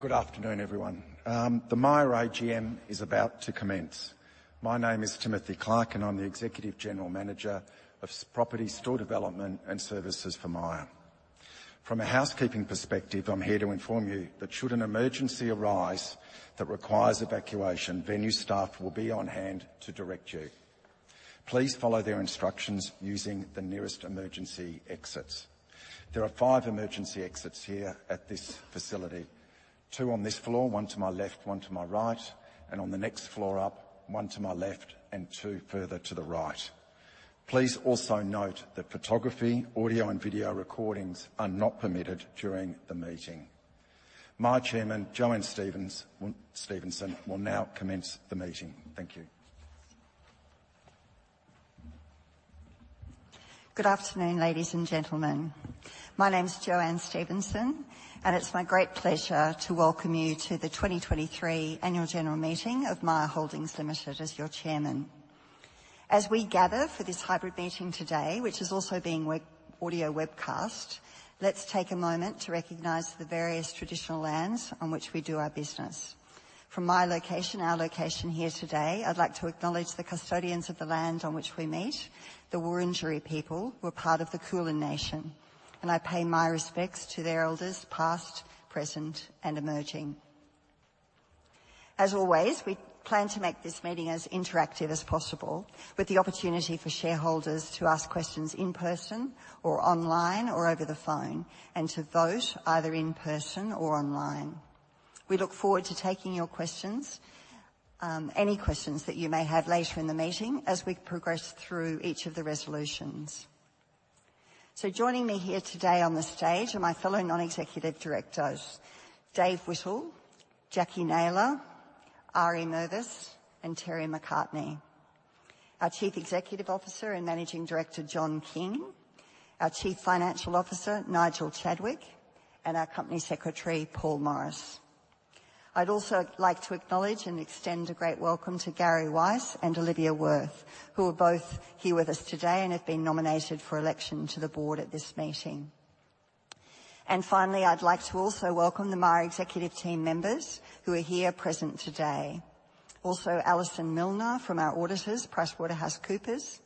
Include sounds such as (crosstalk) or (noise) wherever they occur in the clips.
Good afternoon, everyone. The Myer AGM is about to commence. My name is Timothy Clark, and I'm the Executive General Manager of Property, Store Development, and Services for Myer. From a housekeeping perspective, I'm here to inform you that should an emergency arise that requires evacuation, venue staff will be on hand to direct you. Please follow their instructions using the nearest emergency exits. There are five emergency exits here at this facility. Two on this floor, one to my left, one to my right, and on the next floor up, one to my left and two further to the right. Please also note that photography, audio, and video recordings are not permitted during the meeting. My Chairman, JoAnne Stephenson, will now commence the meeting. Thank you. Good afternoon, ladies and gentlemen. My name is JoAnne Stephenson, and it's my great pleasure to welcome you to the 2023 Annual General Meeting of Myer Holdings Limited, as your Chairman. As we gather for this hybrid meeting today, which is also being web and audio webcast, let's take a moment to recognize the various traditional lands on which we do our business. From my location, our location here today, I'd like to acknowledge the custodians of the lands on which we meet, the Wurundjeri people, who are part of the Kulin Nation, and I pay my respects to their elders, past, present, and emerging. As always, we plan to make this meeting as interactive as possible, with the opportunity for shareholders to ask questions in person or online or over the phone, and to vote either in person or online. We look forward to taking your questions, any questions that you may have later in the meeting as we progress through each of the resolutions. So joining me here today on the stage are my fellow non-executive directors, Dave Whittle, Jacquie Naylor, Ari Mervis, and Terry McCartney. Our Chief Executive Officer and Managing Director, John King, our Chief Financial Officer, Nigel Chadwick, and our Company Secretary, Paul Morris. I'd also like to acknowledge and extend a great welcome to Gary Weiss and Olivia Wirth, who are both here with us today and have been nominated for election to the Board at this meeting. And finally, I'd like to also welcome the Myer executive team members who are here present today. Also, Alison Milner from our auditors, PricewaterhouseCoopers,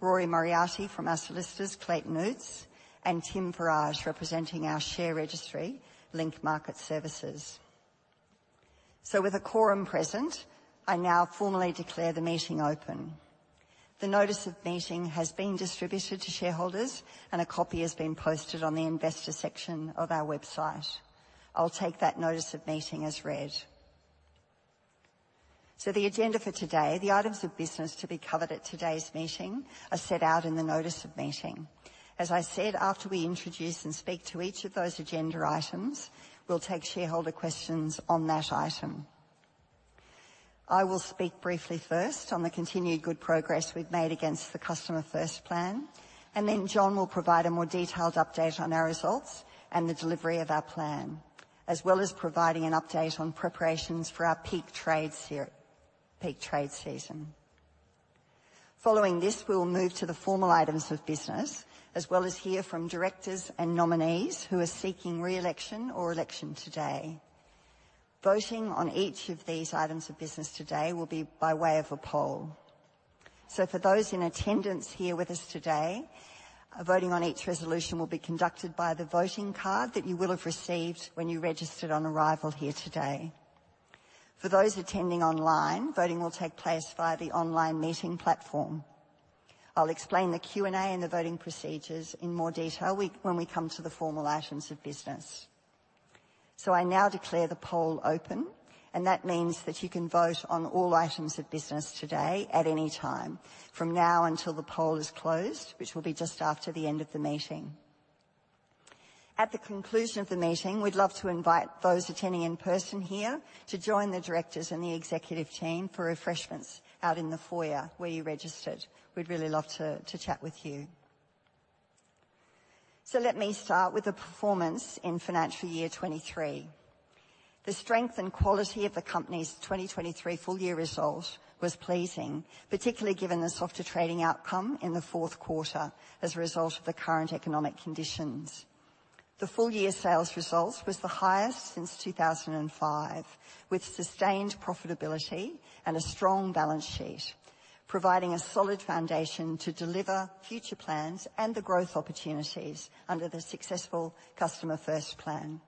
Rory Moriarty from our solicitors, Clayton Utz, and Tim Farage, representing our share registry, Link Market Services. With a quorum present, I now formally declare the meeting open. The notice of meeting has been distributed to shareholders, and a copy has been posted on the investor section of our website. I'll take that notice of meeting as read. The agenda for today, the items of business to be covered at today's meeting are set out in the notice of meeting. As I said, after we introduce and speak to each of those agenda items, we'll take shareholder questions on that item. I will speak briefly first on the continued good progress we've made against the Customer First Plan, and then John will provide a more detailed update on our results and the delivery of our plan, as well as providing an update on preparations for our peak trades here, peak trade season. Following this, we will move to the formal items of business, as well as hear from directors and nominees who are seeking re-election or election today. Voting on each of these items of business today will be by way of a poll. So for those in attendance here with us today, voting on each resolution will be conducted by the voting card that you will have received when you registered on arrival here today. For those attending online, voting will take place via the online meeting platform. I'll explain the Q&A and the voting procedures in more detail when we come to the formal items of business. So I now declare the poll open, and that means that you can vote on all items of business today at any time, from now until the poll is closed, which will be just after the end of the meeting. At the conclusion of the meeting, we'd love to invite those attending in person here to join the directors and the executive team for refreshments out in the foyer where you registered. We'd really love to chat with you. So let me start with the performance in financial year 2023. The strength and quality of the company's 2023 full year results was pleasing, particularly given the softer trading outcome in the fourth quarter as a result of the current economic conditions. The full year sales results was the highest since 2005, with sustained profitability and a strong balance sheet, providing a solid foundation to deliver future plans and the growth opportunities under the successful Customer First Plan.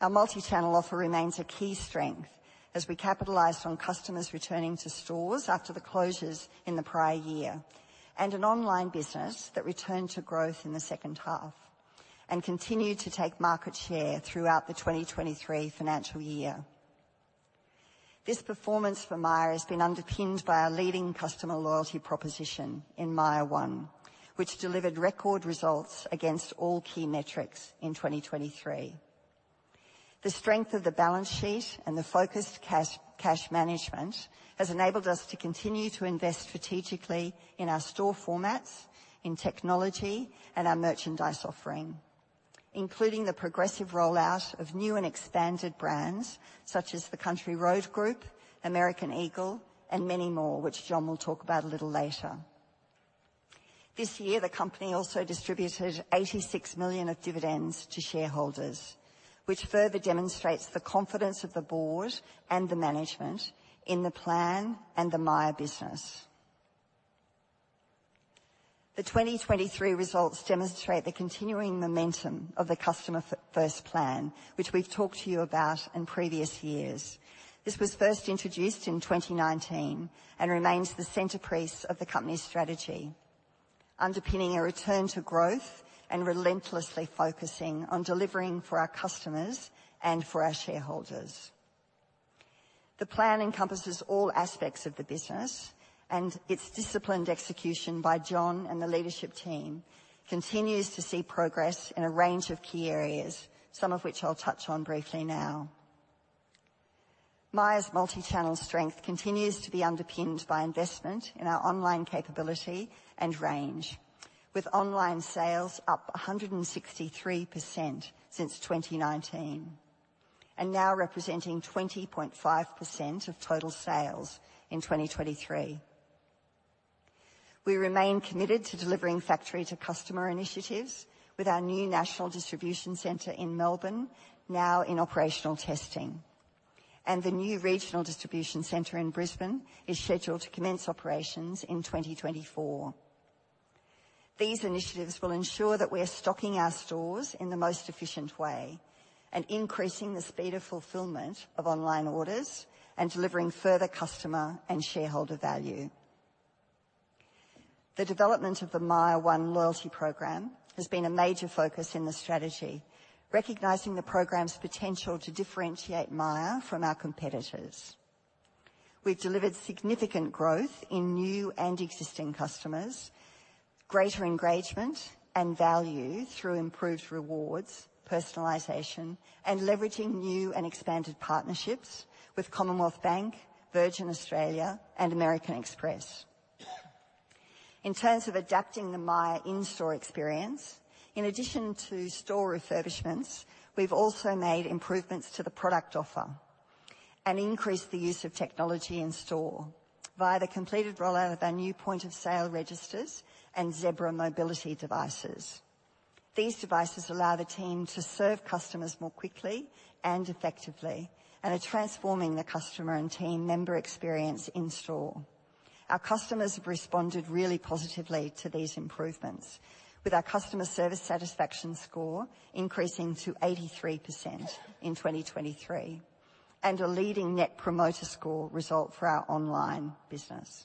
Our multi-channel offer remains a key strength as we capitalized on customers returning to stores after the closures in the prior year, and an online business that returned to growth in the second half and continued to take market share throughout the 2023 financial year. This performance for Myer has been underpinned by our leading customer loyalty proposition in MYER one, which delivered record results against all key metrics in 2023. The strength of the balance sheet and the focused cash, cash management has enabled us to continue to invest strategically in our store formats, in technology, and our merchandise offering, including the progressive rollout of new and expanded brands such as the Country Road Group, American Eagle, and many more, which John will talk about a little later. This year, the company also distributed 86 million of dividends to shareholders, which further demonstrates the confidence of the Board and the management in the plan and the Myer business. The 2023 results demonstrate the continuing momentum of the Customer First Plan, which we've talked to you about in previous years. This was first introduced in 2019 and remains the centerpiece of the company's strategy, underpinning a return to growth and relentlessly focusing on delivering for our customers and for our shareholders. The plan encompasses all aspects of the business, and its disciplined execution by John and the leadership team continues to see progress in a range of key areas, some of which I'll touch on briefly now. Myer's multi-channel strength continues to be underpinned by investment in our online capability and range, with online sales up 163% since 2019, and now representing 20.5% of total sales in 2023. We remain committed to delivering Factory-to-Customer initiatives with our new national distribution center in Melbourne, now in operational testing, and the new regional distribution center in Brisbane is scheduled to commence operations in 2024. These initiatives will ensure that we are stocking our stores in the most efficient way and increasing the speed of fulfillment of online orders and delivering further customer and shareholder value. The development of the MYER one loyalty program has been a major focus in the strategy, recognizing the program's potential to differentiate Myer from our competitors. We've delivered significant growth in new and existing customers, greater engagement and value through improved rewards, personalization, and leveraging new and expanded partnerships with Commonwealth Bank, Virgin Australia, and American Express. In terms of adapting the Myer in-store experience, in addition to store refurbishments, we've also made improvements to the product offer and increased the use of technology in-store via the completed rollout of our new point-of-sale registers and Zebra mobility devices. These devices allow the team to serve customers more quickly and effectively and are transforming the customer and team member experience in-store. Our customers have responded really positively to these improvements, with our customer service satisfaction score increasing to 83% in 2023, and a leading Net Promoter Score result for our online business.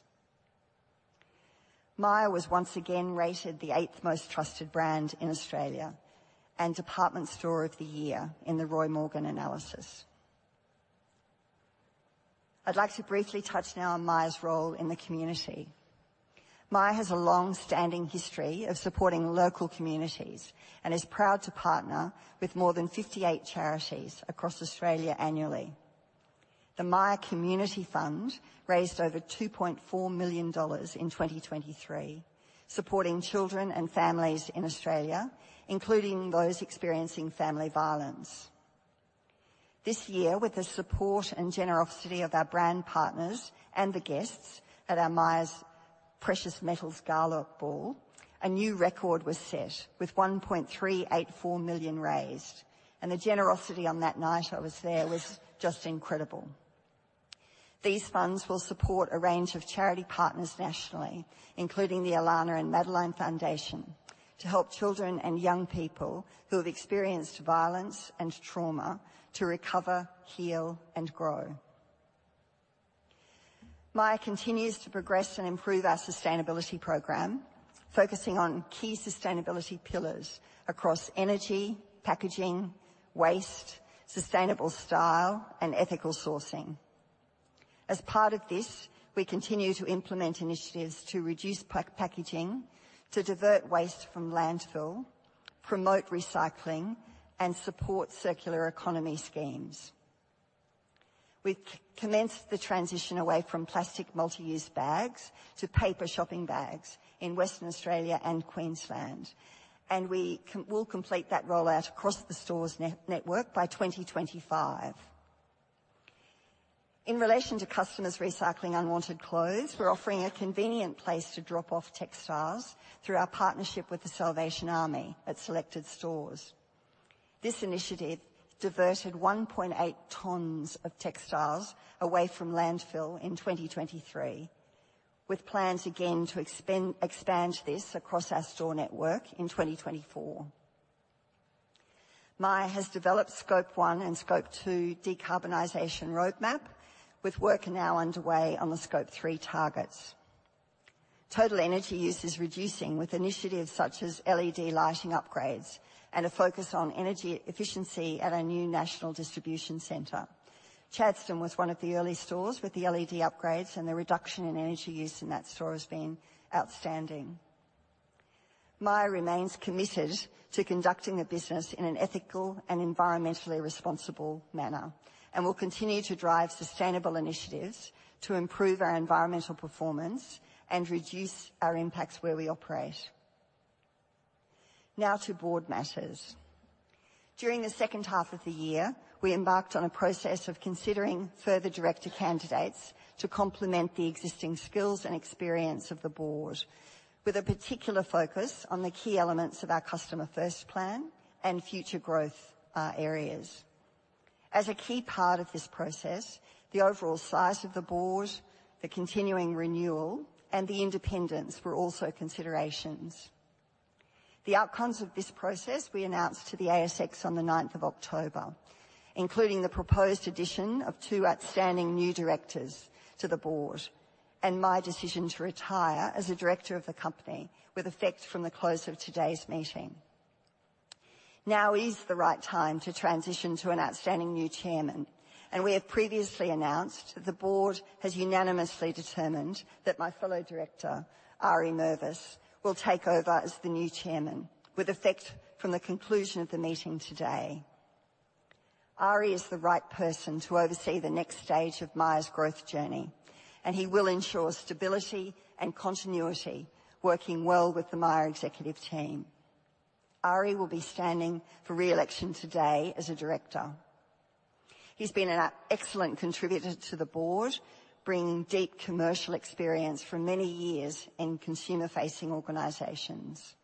Myer was once again rated the eighth most trusted brand in Australia and Department Store of the Year in the Roy Morgan analysis. I'd like to briefly touch now on Myer's role in the community. Myer has a long-standing history of supporting local communities and is proud to partner with more than 58 charities across Australia annually. The Myer Community Fund raised over 2.4 million dollars in 2023, supporting children and families in Australia, including those experiencing family violence. This year, with the support and generosity of our brand partners and the guests at our Myer’s Precious Metal Gala Ball, a new record was set with 1.384 million raised, and the generosity on that night, I was there, was just incredible. These funds will support a range of charity partners nationally, including the Alannah and Madeline Foundation, to help children and young people who have experienced violence and trauma to recover, heal, and grow. Myer continues to progress and improve our sustainability program, focusing on key sustainability pillars across energy, packaging, waste, sustainable style, and ethical sourcing. As part of this, we continue to implement initiatives to reduce packaging, to divert waste from landfill, promote recycling, and support circular economy schemes. We've commenced the transition away from plastic multi-use bags to paper shopping bags in Western Australia and Queensland, and we'll complete that rollout across the stores network by 2025. In relation to customers recycling unwanted clothes, we're offering a convenient place to drop off textiles through our partnership with the Salvation Army at selected stores. This initiative diverted 1.8 tons of textiles away from landfill in 2023, with plans again to expand this across our store network in 2024. Myer has developed Scope 1 and Scope 2 decarbonization roadmap, with work now underway on the Scope 3 targets. Total energy use is reducing, with initiatives such as LED lighting upgrades and a focus on energy efficiency at our new national distribution center. Chadstone was one of the early stores with the LED upgrades, and the reduction in energy use in that store has been outstanding. Myer remains committed to conducting the business in an ethical and environmentally responsible manner and will continue to drive sustainable initiatives to improve our environmental performance and reduce our impacts where we operate. Now to board matters. During the second half of the year, we embarked on a process of considering further director candidates to complement the existing skills and experience of the Board, with a particular focus on the key elements of our Customer First Plan and future growth areas. As a key part of this process, the overall size of the Board, the continuing renewal, and the independence were also considerations. The outcomes of this process we announced to the ASX on 9th of October, including the proposed addition of two outstanding new directors to the Board and my decision to retire as a director of the company with effect from the close of today's meeting. Now is the right time to transition to an outstanding new chairman, and we have previously announced that the Board has unanimously determined that my fellow director, Ari Mervis, will take over as the new chairman with effect from the conclusion of the meeting today. Ari is the right person to oversee the next stage of Myer's growth journey, and he will ensure stability and continuity, working well with the Myer executive team. Ari will be standing for re-election today as a director. He's been an excellent contributor to the Board, bringing deep commercial experience from many years in consumer-facing organizations.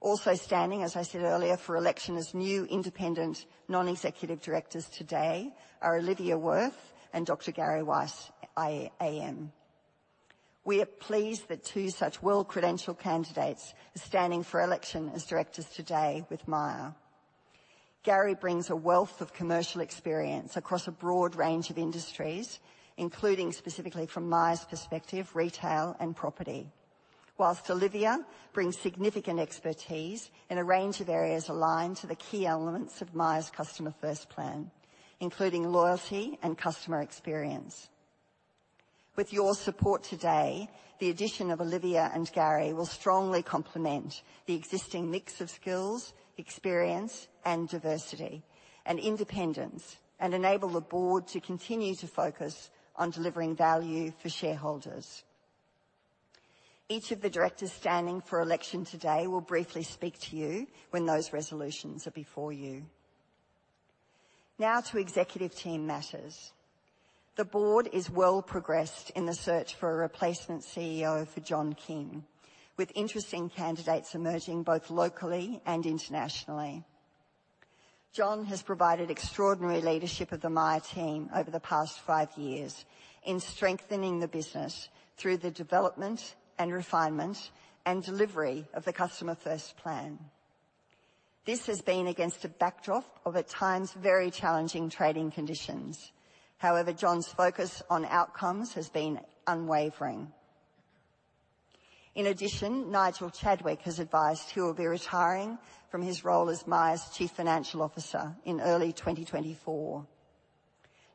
Also standing, as I said earlier, for election as new independent non-executive directors today are Olivia Wirth and Dr. Gary Weiss, AM. We are pleased that two such well-credentialed candidates are standing for election as directors today with Myer. Gary brings a wealth of commercial experience across a broad range of industries, including specifically from Myer's perspective, retail and property. While Olivia brings significant expertise in a range of areas aligned to the key elements of Myer's Customer First Plan, including loyalty and customer experience. With your support today, the addition of Olivia and Gary will strongly complement the existing mix of skills, experience, and diversity and independence, and enable the Board to continue to focus on delivering value for shareholders. Each of the directors standing for election today will briefly speak to you when those resolutions are before you. Now to executive team matters. The Board is well progressed in the search for a replacement CEO for John King, with interesting candidates emerging both locally and internationally. John has provided extraordinary leadership of the Myer team over the past five years in strengthening the business through the development and refinement and delivery of the Customer First Plan. This has been against a backdrop of, at times, very challenging trading conditions. However, John's focus on outcomes has been unwavering. In addition, Nigel Chadwick has advised he will be retiring from his role as Myer's Chief Financial Officer in early 2024.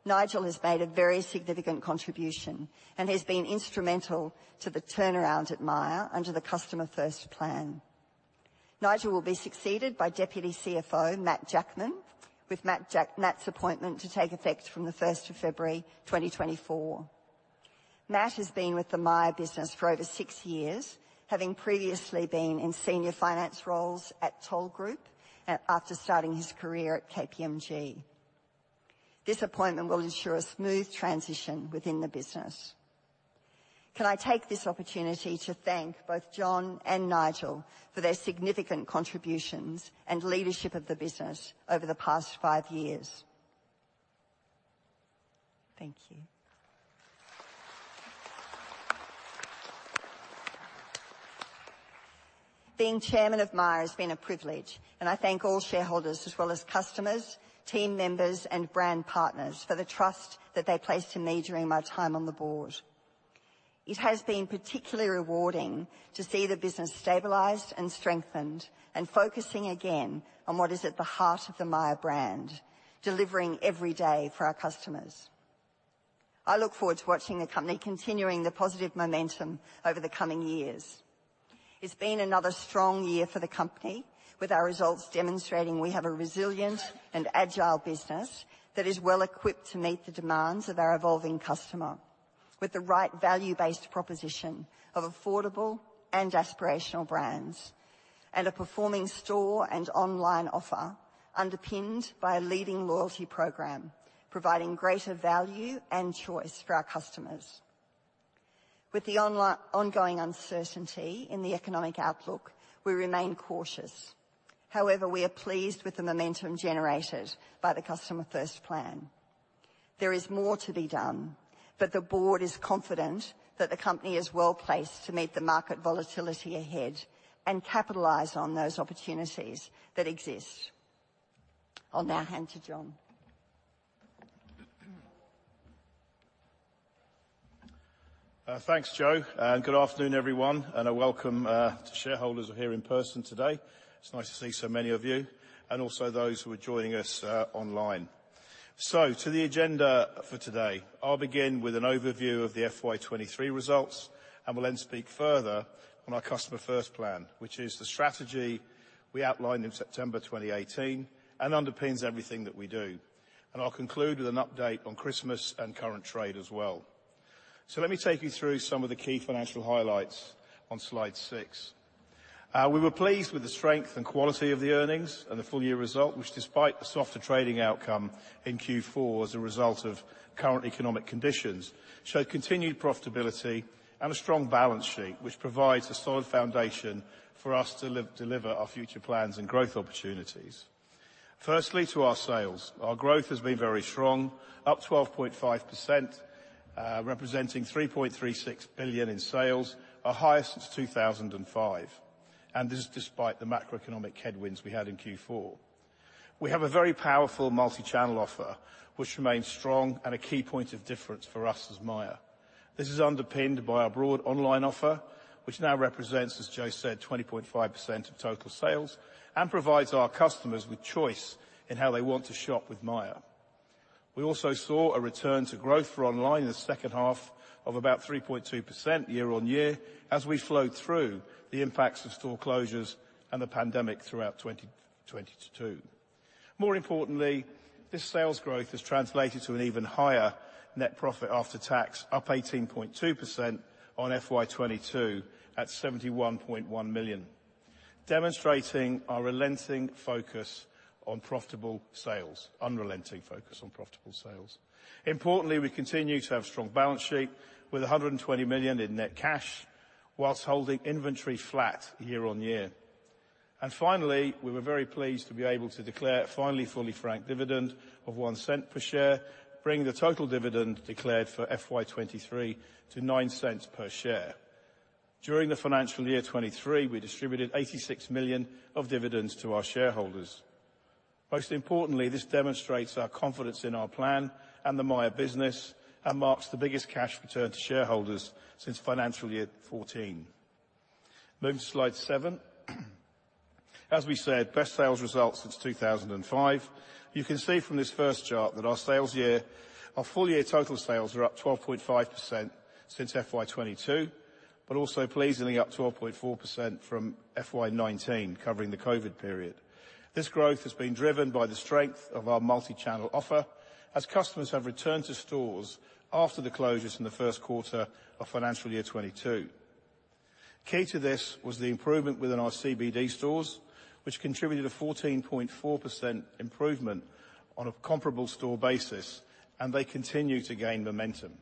Nigel has made a very significant contribution and has been instrumental to the turnaround at Myer under the Customer First Plan. Nigel will be succeeded by Deputy CFO, Matt Jackman, with Matt's appointment to take effect from February 1, 2024. Matt has been with the Myer business for over six years, having previously been in senior finance roles at Toll Group, after starting his career at KPMG. This appointment will ensure a smooth transition within the business. Can I take this opportunity to thank both John and Nigel for their significant contributions and leadership of the business over the past five years? Thank you. Being chairman of Myer has been a privilege, and I thank all shareholders as well as customers, team members, and brand partners for the trust that they placed in me during my time on the Board. It has been particularly rewarding to see the business stabilized and strengthened and focusing again on what is at the heart of the Myer brand, delivering every day for our customers. I look forward to watching the company continuing the positive momentum over the coming years. It's been another strong year for the company, with our results demonstrating we have a resilient and agile business that is well-equipped to meet the demands of our evolving customer, with the right value-based proposition of affordable and aspirational brands, and a performing store and online offer underpinned by a leading loyalty program, providing greater value and choice for our customers. With the ongoing uncertainty in the economic outlook, we remain cautious. However, we are pleased with the momentum generated by the Customer First Plan. There is more to be done, but the Board is confident that the company is well-placed to meet the market volatility ahead and capitalize on those opportunities that exist. I'll now hand to John. Thanks, Jo, and good afternoon, everyone, and a welcome to shareholders who are here in person today. It's nice to see so many of you and also those who are joining us online. So to the agenda for today. I'll begin with an overview of the FY23 results and will then speak further on our Customer First Plan, which is the strategy we outlined in September 2018 and underpins everything that we do. And I'll conclude with an update on Christmas and current trade as well. So let me take you through some of the key financial highlights on slide 6. We were pleased with the strength and quality of the earnings and the full year result, which despite the softer trading outcome in Q4 as a result of current economic conditions, showed continued profitability and a strong balance sheet, which provides a solid foundation for us to deliver our future plans and growth opportunities. Firstly, to our sales. Our growth has been very strong, up 12.5%, representing 3.36 billion in sales, our highest since 2005, and this is despite the macroeconomic headwinds we had in Q4. We have a very powerful multi-channel offer, which remains strong and a key point of difference for us as Myer. This is underpinned by our broad online offer, which now represents, as Joe said, 20.5% of total sales and provides our customers with choice in how they want to shop with Myer. We also saw a return to growth for online in the second half of about 3.2% year-on-year, as we flowed through the impacts of store closures and the pandemic throughout 2022. More importantly, this sales growth has translated to an even higher net profit after tax, up 18.2% on FY 2022, at 71.1 million, demonstrating our relenting focus on profitable sales - unrelenting focus on profitable sales. Importantly, we continue to have strong balance sheet with 120 million in net cash, while holding inventory flat year-on-year. Finally, we were very pleased to be able to declare a finally fully franked dividend of 0.01 per share, bringing the total dividend declared for FY 2023 to 0.09 per share. During the financial year 2023, we distributed 86 million of dividends to our shareholders. Most importantly, this demonstrates our confidence in our plan and the Myer business, and marks the biggest cash return to shareholders since financial year 2014. Moving to slide 7. As we said, best sales results since 2005. You can see from this first chart that our sales year, our full year total sales are up 12.5% since FY 2022, but also pleasingly up 12.4% from FY 2019, covering the COVID period. This growth has been driven by the strength of our multi-channel offer, as customers have returned to stores after the closures in the first quarter of financial year 2022. Key to this was the improvement within our CBD stores, which contributed a 14.4% improvement on a comparable store basis, and they continue to gain momentum.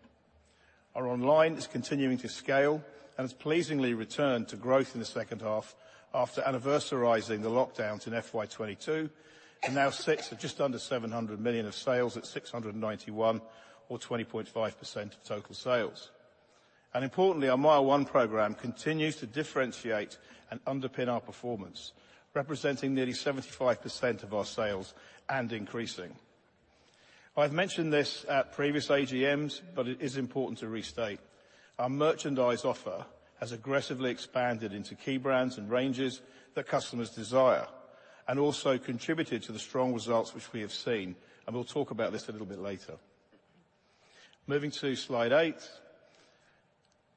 Our online is continuing to scale and has pleasingly returned to growth in the second half after anniversarizing the lockdowns in FY 2022, and now sits at just under 700 million of sales at 691 million, or 20.5% of total sales. And importantly, our MYER one program continues to differentiate and underpin our performance, representing nearly 75% of our sales and increasing. I've mentioned this at previous AGMs, but it is important to restate. Our merchandise offer has aggressively expanded into key brands and ranges that customers desire, and also contributed to the strong results which we have seen, and we'll talk about this a little bit later. Moving to slide 8,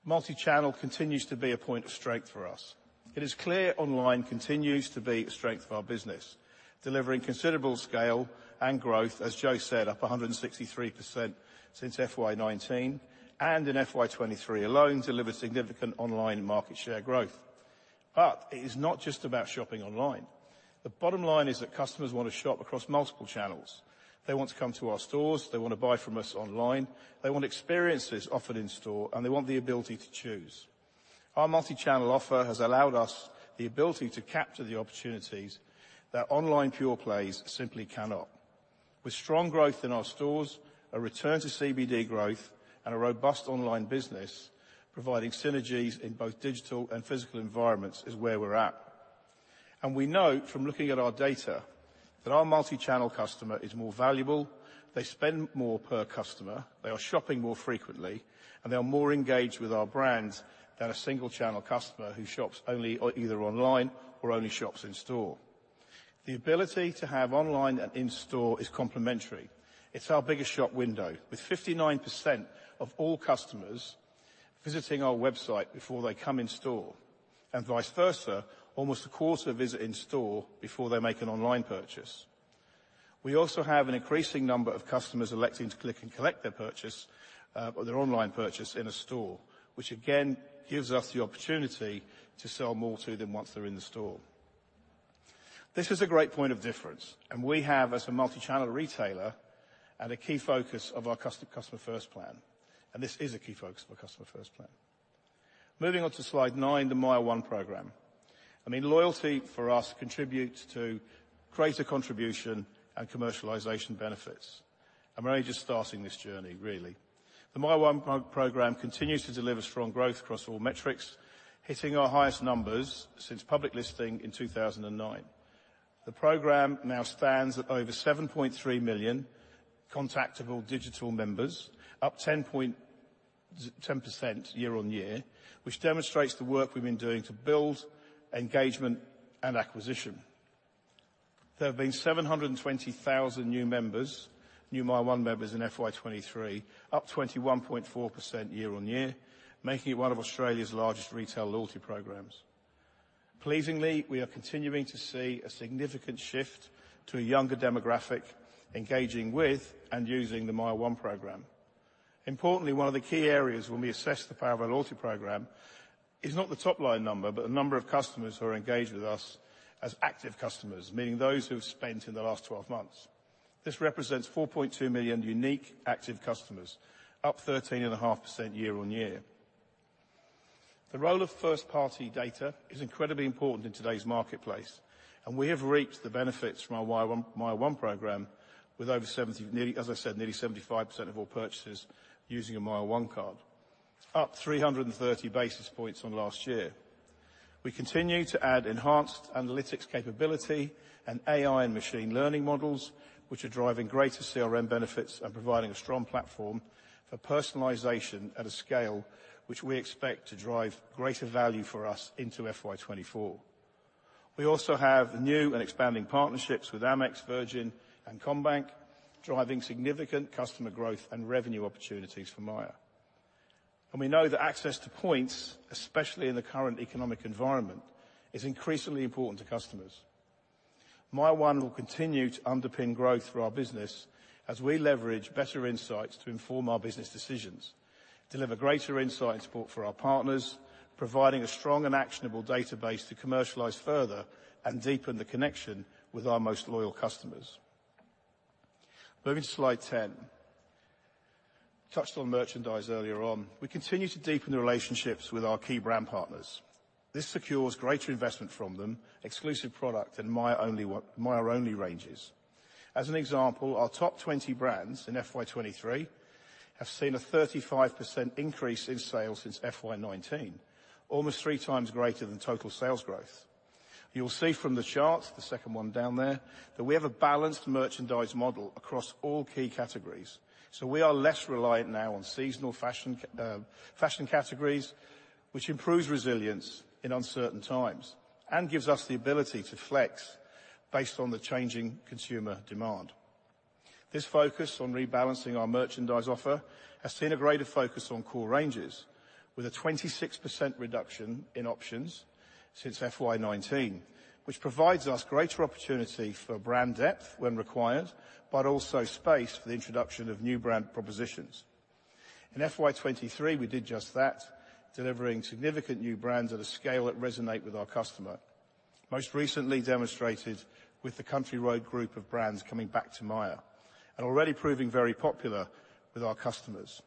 multi-channel continues to be a point of strength for us. It is clear online continues to be a strength of our business, delivering considerable scale and growth, as Joe said, up 163% since FY 2019, and in FY 2023 alone, delivered significant online market share growth. But it is not just about shopping online. The bottom line is that customers want to shop across multiple channels. They want to come to our stores, they want to buy from us online, they want experiences offered in store, and they want the ability to choose. Our multi-channel offer has allowed us the ability to capture the opportunities that online pure plays simply cannot. With strong growth in our stores, a return to CBD growth, and a robust online business, providing synergies in both digital and physical environments is where we're at. And we know from looking at our data, that our multi-channel customer is more valuable, they spend more per customer, they are shopping more frequently, and they are more engaged with our brand than a single channel customer who shops only, either online or only shops in store. The ability to have online and in-store is complementary. It's our biggest shop window, with 59% of all customers visiting our website before they come in store, and vice versa, almost a quarter visit in store before they make an online purchase. We also have an increasing number of customers electing to Click and Collect their purchase, or their online purchase in a store, which again gives us the opportunity to sell more to them once they're in the store. This is a great point of difference, and we have as a multi-channel retailer, and a key focus of our customer, Customer First Plan, and this is a key focus of our Customer First Plan. Moving on to slide 9, the MYER one program. I mean, loyalty for us contributes to greater contribution and commercialization benefits, and we're only just starting this journey, really. The MYER one program continues to deliver strong growth across all metrics, hitting our highest numbers since public listing in 2009. The program now stands at over 7.3 million contactable digital members, up 10 point... 10% year-on-year, which demonstrates the work we've been doing to build engagement and acquisition. There have been 720,000 new members, new MYER one members in FY 2023, up 21.4% year-on-year, making it one of Australia's largest retail loyalty programs. Pleasingly, we are continuing to see a significant shift to a younger demographic engaging with and using the MYER one program. Importantly, one of the key areas when we assess the power of our loyalty program is not the top line number, but the number of customers who are engaged with us as active customers, meaning those who have spent in the last twelve months. This represents 4.2 million unique active customers, up 13.5% year-on-year. The role of first-party data is incredibly important in today's marketplace, and we have reaped the benefits from our MYER one, MYER one program with over nearly 75% of all purchases using a MYER one card, up 330 basis points on last year. We continue to add enhanced analytics capability and AI and machine learning models, which are driving greater CRM benefits and providing a strong platform for personalization at a scale which we expect to drive greater value for us into FY 2024. We also have the new and expanding partnerships with Amex, Virgin, and CommBank, driving significant customer growth and revenue opportunities for Myer. We know that access to points, especially in the current economic environment, is increasingly important to customers. MYER one will continue to underpin growth for our business as we leverage better insights to inform our business decisions, deliver greater insight and support for our partners, providing a strong and actionable database to commercialize further and deepen the connection with our most loyal customers. Moving to slide 10. Touched on merchandise earlier on. We continue to deepen the relationships with our key brand partners. This secures greater investment from them, exclusive product, and Myer-only ranges. As an example, our top 20 brands in FY 2023 have seen a 35% increase in sales since FY 2019, almost three times greater than total sales growth. You'll see from the chart, the second one down there, that we have a balanced merchandise model across all key categories, so we are less reliant now on seasonal fashion categories, which improves resilience in uncertain times and gives us the ability to flex based on the changing consumer demand. This focus on rebalancing our merchandise offer has seen a greater focus on core ranges, with a 26% reduction in options since FY 2019, which provides us greater opportunity for brand depth when required, but also space for the introduction of new brand propositions. In FY 2023, we did just that, delivering significant new brands at a scale that resonate with our customer. Most recently demonstrated with the Country Road Group of brands coming back to Myer and already proving very popular with our customers.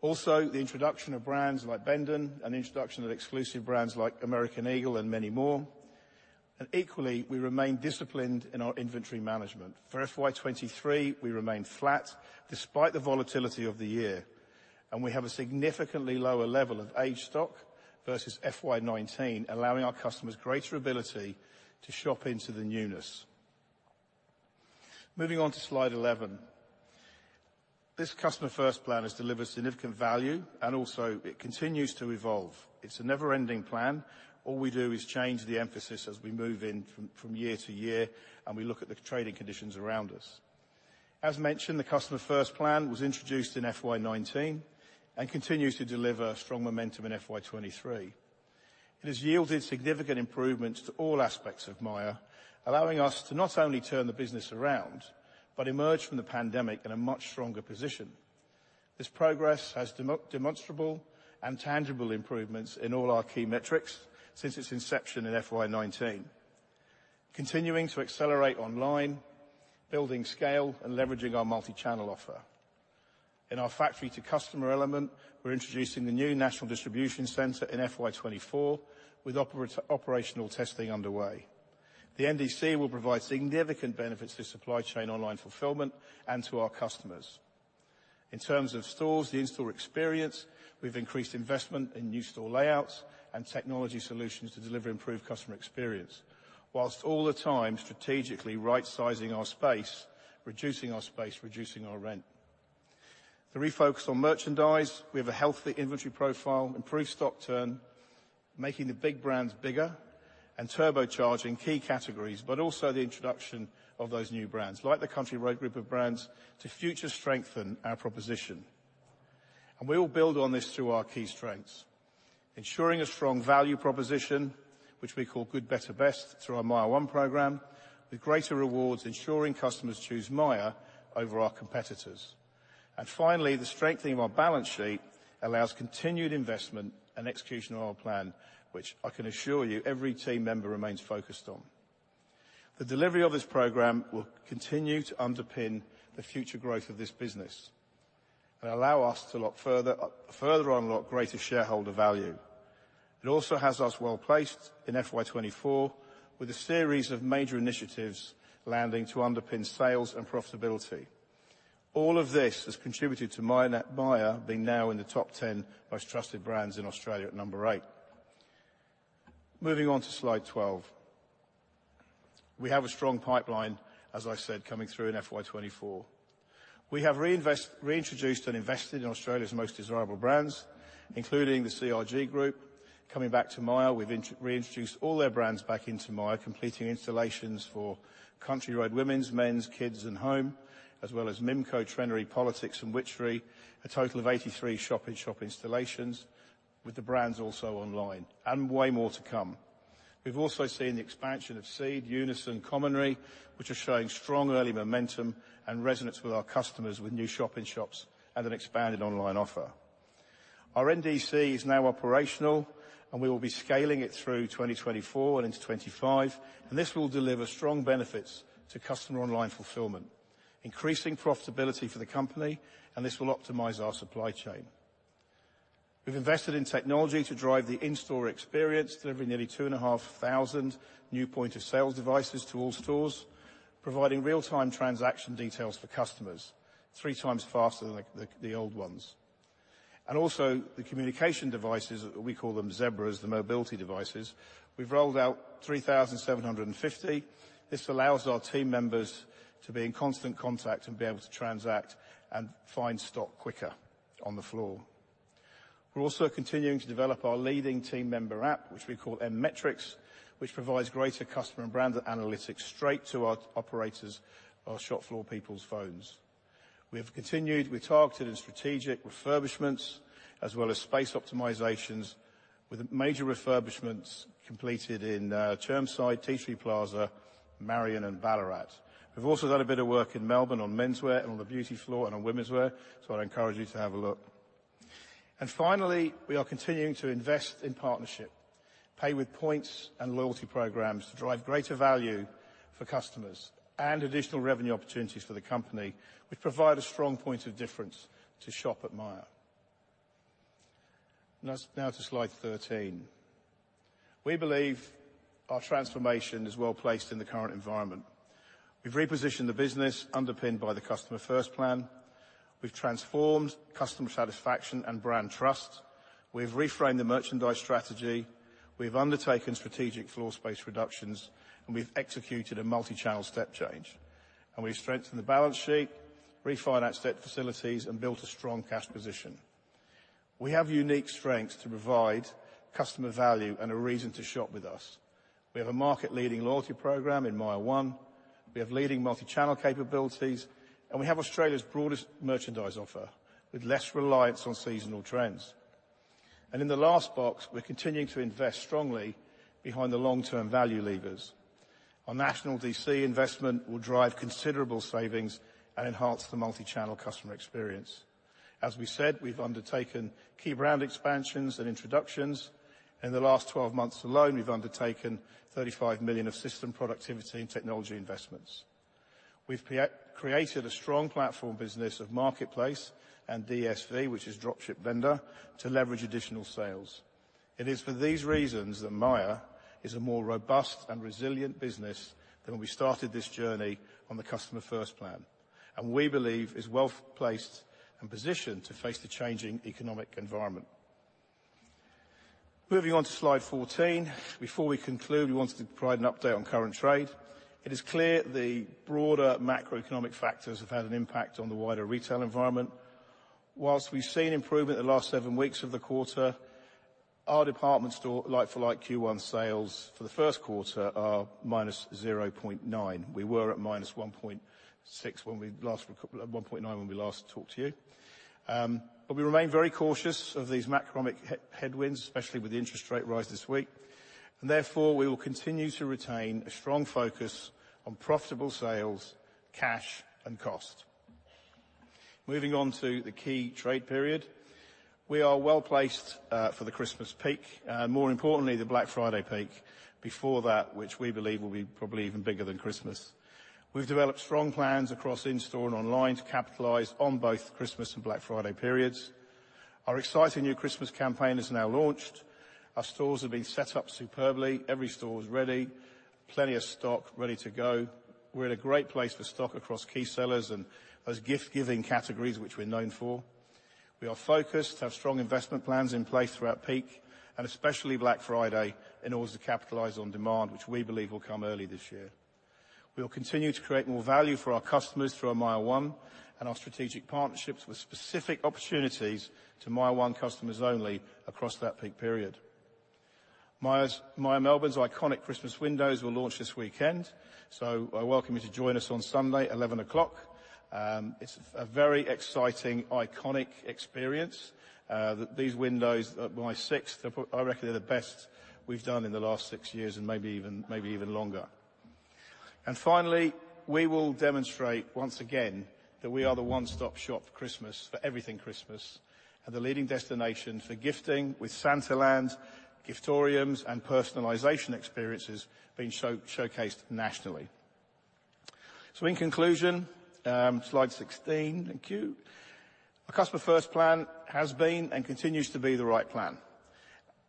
Also, the introduction of brands like Bendon and introduction of exclusive brands like American Eagle and many more. And equally, we remain disciplined in our inventory management. For FY 2023, we remained flat despite the volatility of the year, and we have a significantly lower level of age stock versus FY 2019, allowing our customers greater ability to shop into the newness. Moving on to Slide 11. This Customer First Plan has delivered significant value, and also it continues to evolve. It's a never-ending plan. All we do is change the emphasis as we move in from year to year, and we look at the trading conditions around us. As mentioned, the Customer First Plan was introduced in FY 2019 and continues to deliver strong momentum in FY 2023. It has yielded significant improvements to all aspects of Myer, allowing us to not only turn the business around, but emerge from the pandemic in a much stronger position. This progress has demonstrable and tangible improvements in all our key metrics since its inception in FY 2019. Continuing to accelerate online, building scale, and leveraging our multi-channel offer. In our factory-to-customer element, we're introducing the new national distribution center in FY 2024, with operational testing underway. The NDC will provide significant benefits to supply chain online fulfillment and to our customers. In terms of stores, the in-store experience, we've increased investment in new store layouts and technology solutions to deliver improved customer experience, whilst all the time strategically rightsizing our space, reducing our space, reducing our rent. The refocus on merchandise, we have a healthy inventory profile, improved stock turn, making the big brands bigger and turbocharging key categories, but also the introduction of those new brands, like the Country Road Group of brands, to further strengthen our proposition. We will build on this through our key strengths, ensuring a strong value proposition, which we call Good Better Best, through our MYER one program, with greater rewards, ensuring customers choose Myer over our competitors. Finally, the strengthening of our balance sheet allows continued investment and execution on our plan, which I can assure you, every team member remains focused on. The delivery of this program will continue to underpin the future growth of this business and allow us to further unlock greater shareholder value. It also has us well-placed in FY 2024, with a series of major initiatives landing to underpin sales and profitability. All of this has contributed to Myer being now in the top 10 most trusted brands in Australia at number eight. Moving on to Slide 12. We have a strong pipeline, as I said, coming through in FY 2024. We have reintroduced and invested in Australia's most desirable brands, including the Country Road Group. Coming back to Myer, we've reintroduced all their brands back into Myer, completing installations for Country Road Women's, Men's, Kids, and Home, as well as Mimco, Trenery, Politix, and Witchery, a total of 83 shop-in-shop installations, with the brands also online and way more to come... We've also seen the expansion of Seed, Unison, and Commonry, which are showing strong early momentum and resonance with our customers, with new shop-in-shops and an expanded online offer. Our NDC is now operational, and we will be scaling it through 2024 and into 2025, and this will deliver strong benefits to customer online fulfillment, increasing profitability for the company, and this will optimize our supply chain. We've invested in technology to drive the in-store experience, delivering nearly 2,500 new point-of-sale devices to all stores, providing real-time transaction details for customers, three times faster than the old ones. Also, the communication devices, we call them Zebras, the mobility devices, we've rolled out 3,750. This allows our team members to be in constant contact and be able to transact and find stock quicker on the floor. We're also continuing to develop our leading team member app, which we call M-Metrics, which provides greater customer and brand analytics straight to our operators, our shop floor people's phones. We have continued with targeted and strategic refurbishments, as well as space optimizations, with major refurbishments completed in Chermside, Tea Tree Plaza, Marion, and Ballarat. We've also done a bit of work in Melbourne on menswear and on the beauty floor and on womenswear, so I'd encourage you to have a look. And finally, we are continuing to invest in partnership, Pay with Points and loyalty programs to drive greater value for customers and additional revenue opportunities for the company, which provide a strong point of difference to shop at Myer. Now to Slide 13. We believe our transformation is well placed in the current environment. We've repositioned the business, underpinned by the Customer First Plan. We've transformed customer satisfaction and brand trust. We've reframed the merchandise strategy. We've undertaken strategic floor space reductions, and we've executed a multi-channel step change. We've strengthened the balance sheet, refinanced debt facilities, and built a strong cash position. We have unique strengths to provide customer value and a reason to shop with us. We have a market-leading loyalty program in MYER one, we have leading multi-channel capabilities, and we have Australia's broadest merchandise offer, with less reliance on seasonal trends. In the last box, we're continuing to invest strongly behind the long-term value levers. Our national DC investment will drive considerable savings and enhance the multi-channel customer experience. As we said, we've undertaken key brand expansions and introductions. In the last 12 months alone, we've undertaken 35 million of system productivity and technology investments. We've created a strong platform business of Marketplace and DSV, which is Dropship Vendor, to leverage additional sales. It is for these reasons that Myer is a more robust and resilient business than when we started this journey on the Customer First Plan, and we believe is well placed and positioned to face the changing economic environment. Moving on to Slide 14. Before we conclude, we wanted to provide an update on current trade. It is clear the broader macroeconomic factors have had an impact on the wider retail environment. While we've seen improvement in the last seven weeks of the quarter, our department store like-for-like Q1 sales for the first quarter are -0.9%. We were at -1.9% when we last talked to you. But we remain very cautious of these macroeconomic headwinds, especially with the interest rate rise this week, and therefore, we will continue to retain a strong focus on profitable sales, cash, and cost. Moving on to the key trade period. We are well placed for the Christmas peak, more importantly, the Black Friday peak before that, which we believe will be probably even bigger than Christmas. We've developed strong plans across in-store and online to capitalize on both Christmas and Black Friday periods. Our exciting new Christmas campaign is now launched. Our stores have been set up superbly. Every store is ready, plenty of stock ready to go. We're in a great place for stock across key sellers and those gift-giving categories, which we're known for. We are focused, have strong investment plans in place throughout peak, and especially Black Friday, in order to capitalize on demand, which we believe will come early this year. We will continue to create more value for our customers through our MYER one and our strategic partnerships, with specific opportunities to MYER one customers only across that peak period. Myer's, Myer Melbourne's iconic Christmas windows will launch this weekend, so I welcome you to join us on Sunday at 11 o'clock. It's a very exciting, iconic experience, that these windows, my sixth, I reckon they're the best we've done in the last six years and maybe even, maybe even longer. Finally, we will demonstrate, once again, that we are the one-stop shop for Christmas, for everything Christmas, and the leading destination for gifting, with Santaland, Giftoriums, and personalization experiences being showcased nationally. In conclusion, Slide 16. Thank you. Our Customer First Plan has been and continues to be the right plan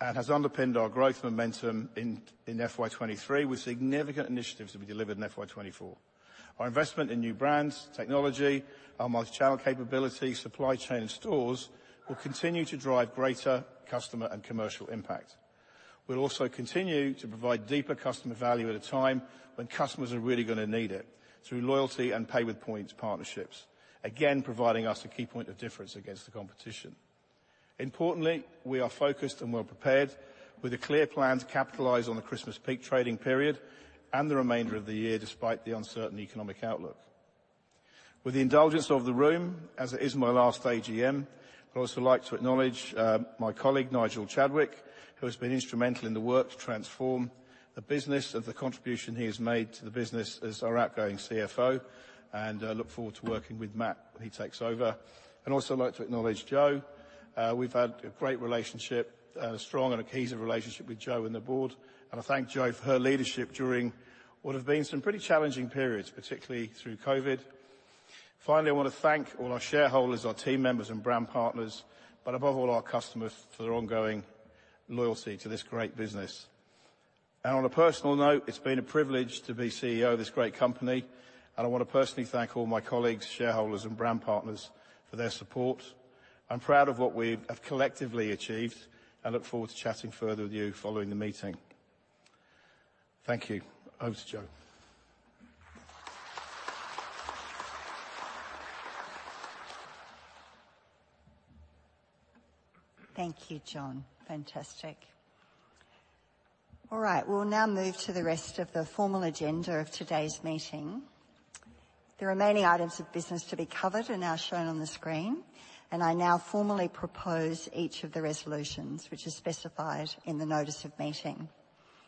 and has underpinned our growth momentum in FY 2023, with significant initiatives to be delivered in FY 2024. Our investment in new brands, technology, our multi-channel capability, supply chain, and stores will continue to drive greater customer and commercial impact. We'll also continue to provide deeper customer value at a time when customers are really gonna need it, through loyalty and Pay with Points partnerships, again, providing us a key point of difference against the competition. Importantly, we are focused and well prepared, with a clear plan to capitalize on the Christmas peak trading period and the remainder of the year, despite the uncertain economic outlook. With the indulgence of the room, as it is my last AGM, I'd also like to acknowledge my colleague, Nigel Chadwick, who has been instrumental in the work to transform the business of the contribution he has made to the business as our outgoing CFO, and I look forward to working with Matt when he takes over. I'd also like to acknowledge Jo. We've had a great relationship, a strong and cohesive relationship with Jo and the Board, and I thank Jo for her leadership during what have been some pretty challenging periods, particularly through COVID. Finally, I want to thank all our shareholders, our team members and brand partners, but above all, our customers, for their ongoing loyalty to this great business. On a personal note, it's been a privilege to be CEO of this great company, and I want to personally thank all my colleagues, shareholders and brand partners for their support. I'm proud of what we have collectively achieved and look forward to chatting further with you following the meeting. Thank you. Over to Jo. Thank you, John. Fantastic. All right, we'll now move to the rest of the formal agenda of today's meeting. The remaining items of business to be covered are now shown on the screen, and I now formally propose each of the resolutions, which are specified in the notice of meeting.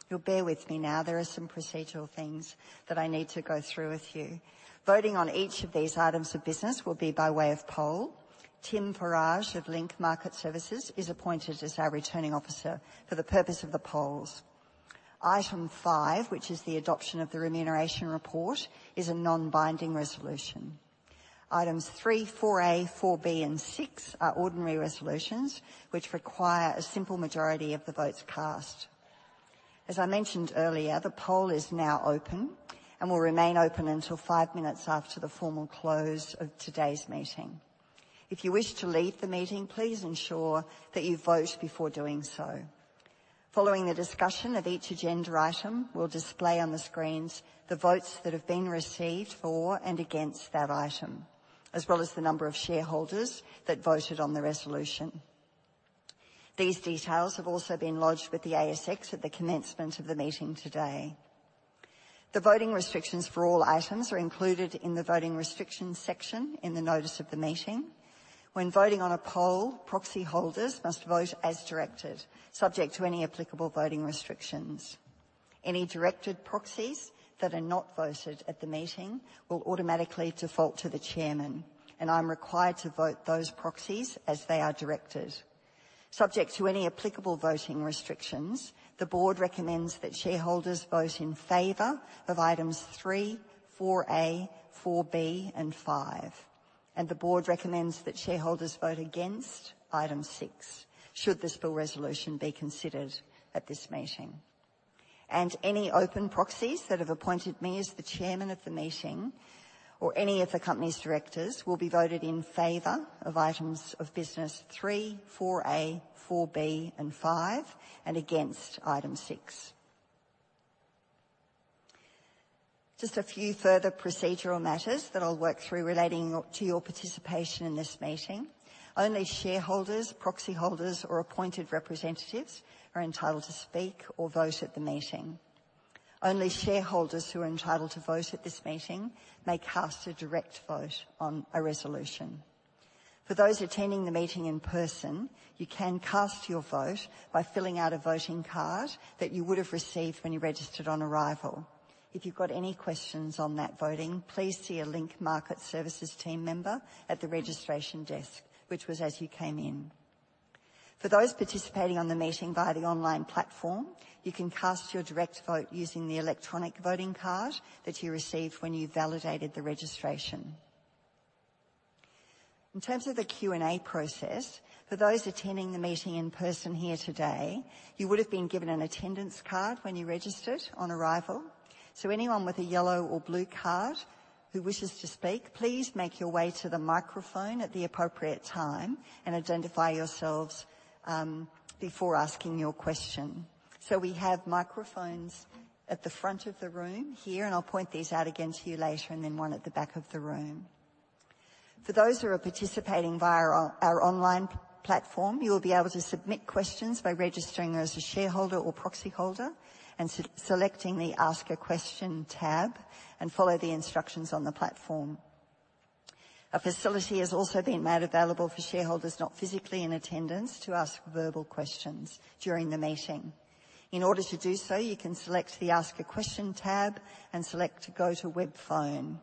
You'll bear with me now. There are some procedural things that I need to go through with you. Voting on each of these items of business will be by way of poll. Tim Farage of Link Market Services is appointed as our Returning Officer for the purpose of the polls. Item 5, which is the adoption of the Remuneration Report, is a non-binding resolution. Items 3, 4A, 4B, and 6 are ordinary resolutions, which require a simple majority of the votes cast. As I mentioned earlier, the poll is now open and will remain open until five minutes after the formal close of today's meeting. If you wish to leave the meeting, please ensure that you vote before doing so. Following the discussion of each agenda item, we'll display on the screens the votes that have been received for and against that item, as well as the number of shareholders that voted on the resolution. These details have also been lodged with the ASX at the commencement of the meeting today. The voting restrictions for all items are included in the voting restrictions section in the notice of the meeting. When voting on a poll, proxy holders must vote as directed, subject to any applicable voting restrictions. Any directed proxies that are not voted at the meeting will automatically default to the chairman, and I'm required to vote those proxies as they are directed. Subject to any applicable voting restrictions, the Board recommends that shareholders vote in favor of items 3, 4A, 4B, and 5. The Board recommends that shareholders vote against item 6, should this Spill Resolution be considered at this meeting. Any open proxies that have appointed me as the chairman of the meeting or any of the company's directors will be voted in favor of items of business 3, 4A, 4B, and 5, and against item 6. Just a few further procedural matters that I'll work through relating to your participation in this meeting. Only shareholders, proxy holders, or appointed representatives are entitled to speak or vote at the meeting. Only shareholders who are entitled to vote at this meeting may cast a direct vote on a resolution. For those attending the meeting in person, you can cast your vote by filling out a voting card that you would have received when you registered on arrival. If you've got any questions on that voting, please see a Link Market Services team member at the registration desk, which was as you came in. For those participating on the meeting via the online platform, you can cast your direct vote using the electronic voting card that you received when you validated the registration. In terms of the Q&A process, for those attending the meeting in person here today, you would have been given an attendance card when you registered on arrival. So anyone with a yellow or blue card who wishes to speak, please make your way to the microphone at the appropriate time and identify yourselves before asking your question. So we have microphones at the front of the room here, and I'll point these out again to you later, and then one at the back of the room. For those who are participating via our online platform, you will be able to submit questions by registering as a shareholder or proxy holder and selecting the Ask a Question tab, and follow the instructions on the platform. A facility has also been made available for shareholders not physically in attendance to ask verbal questions during the meeting. In order to do so, you can select the Ask a Question tab and select Go to Webphone.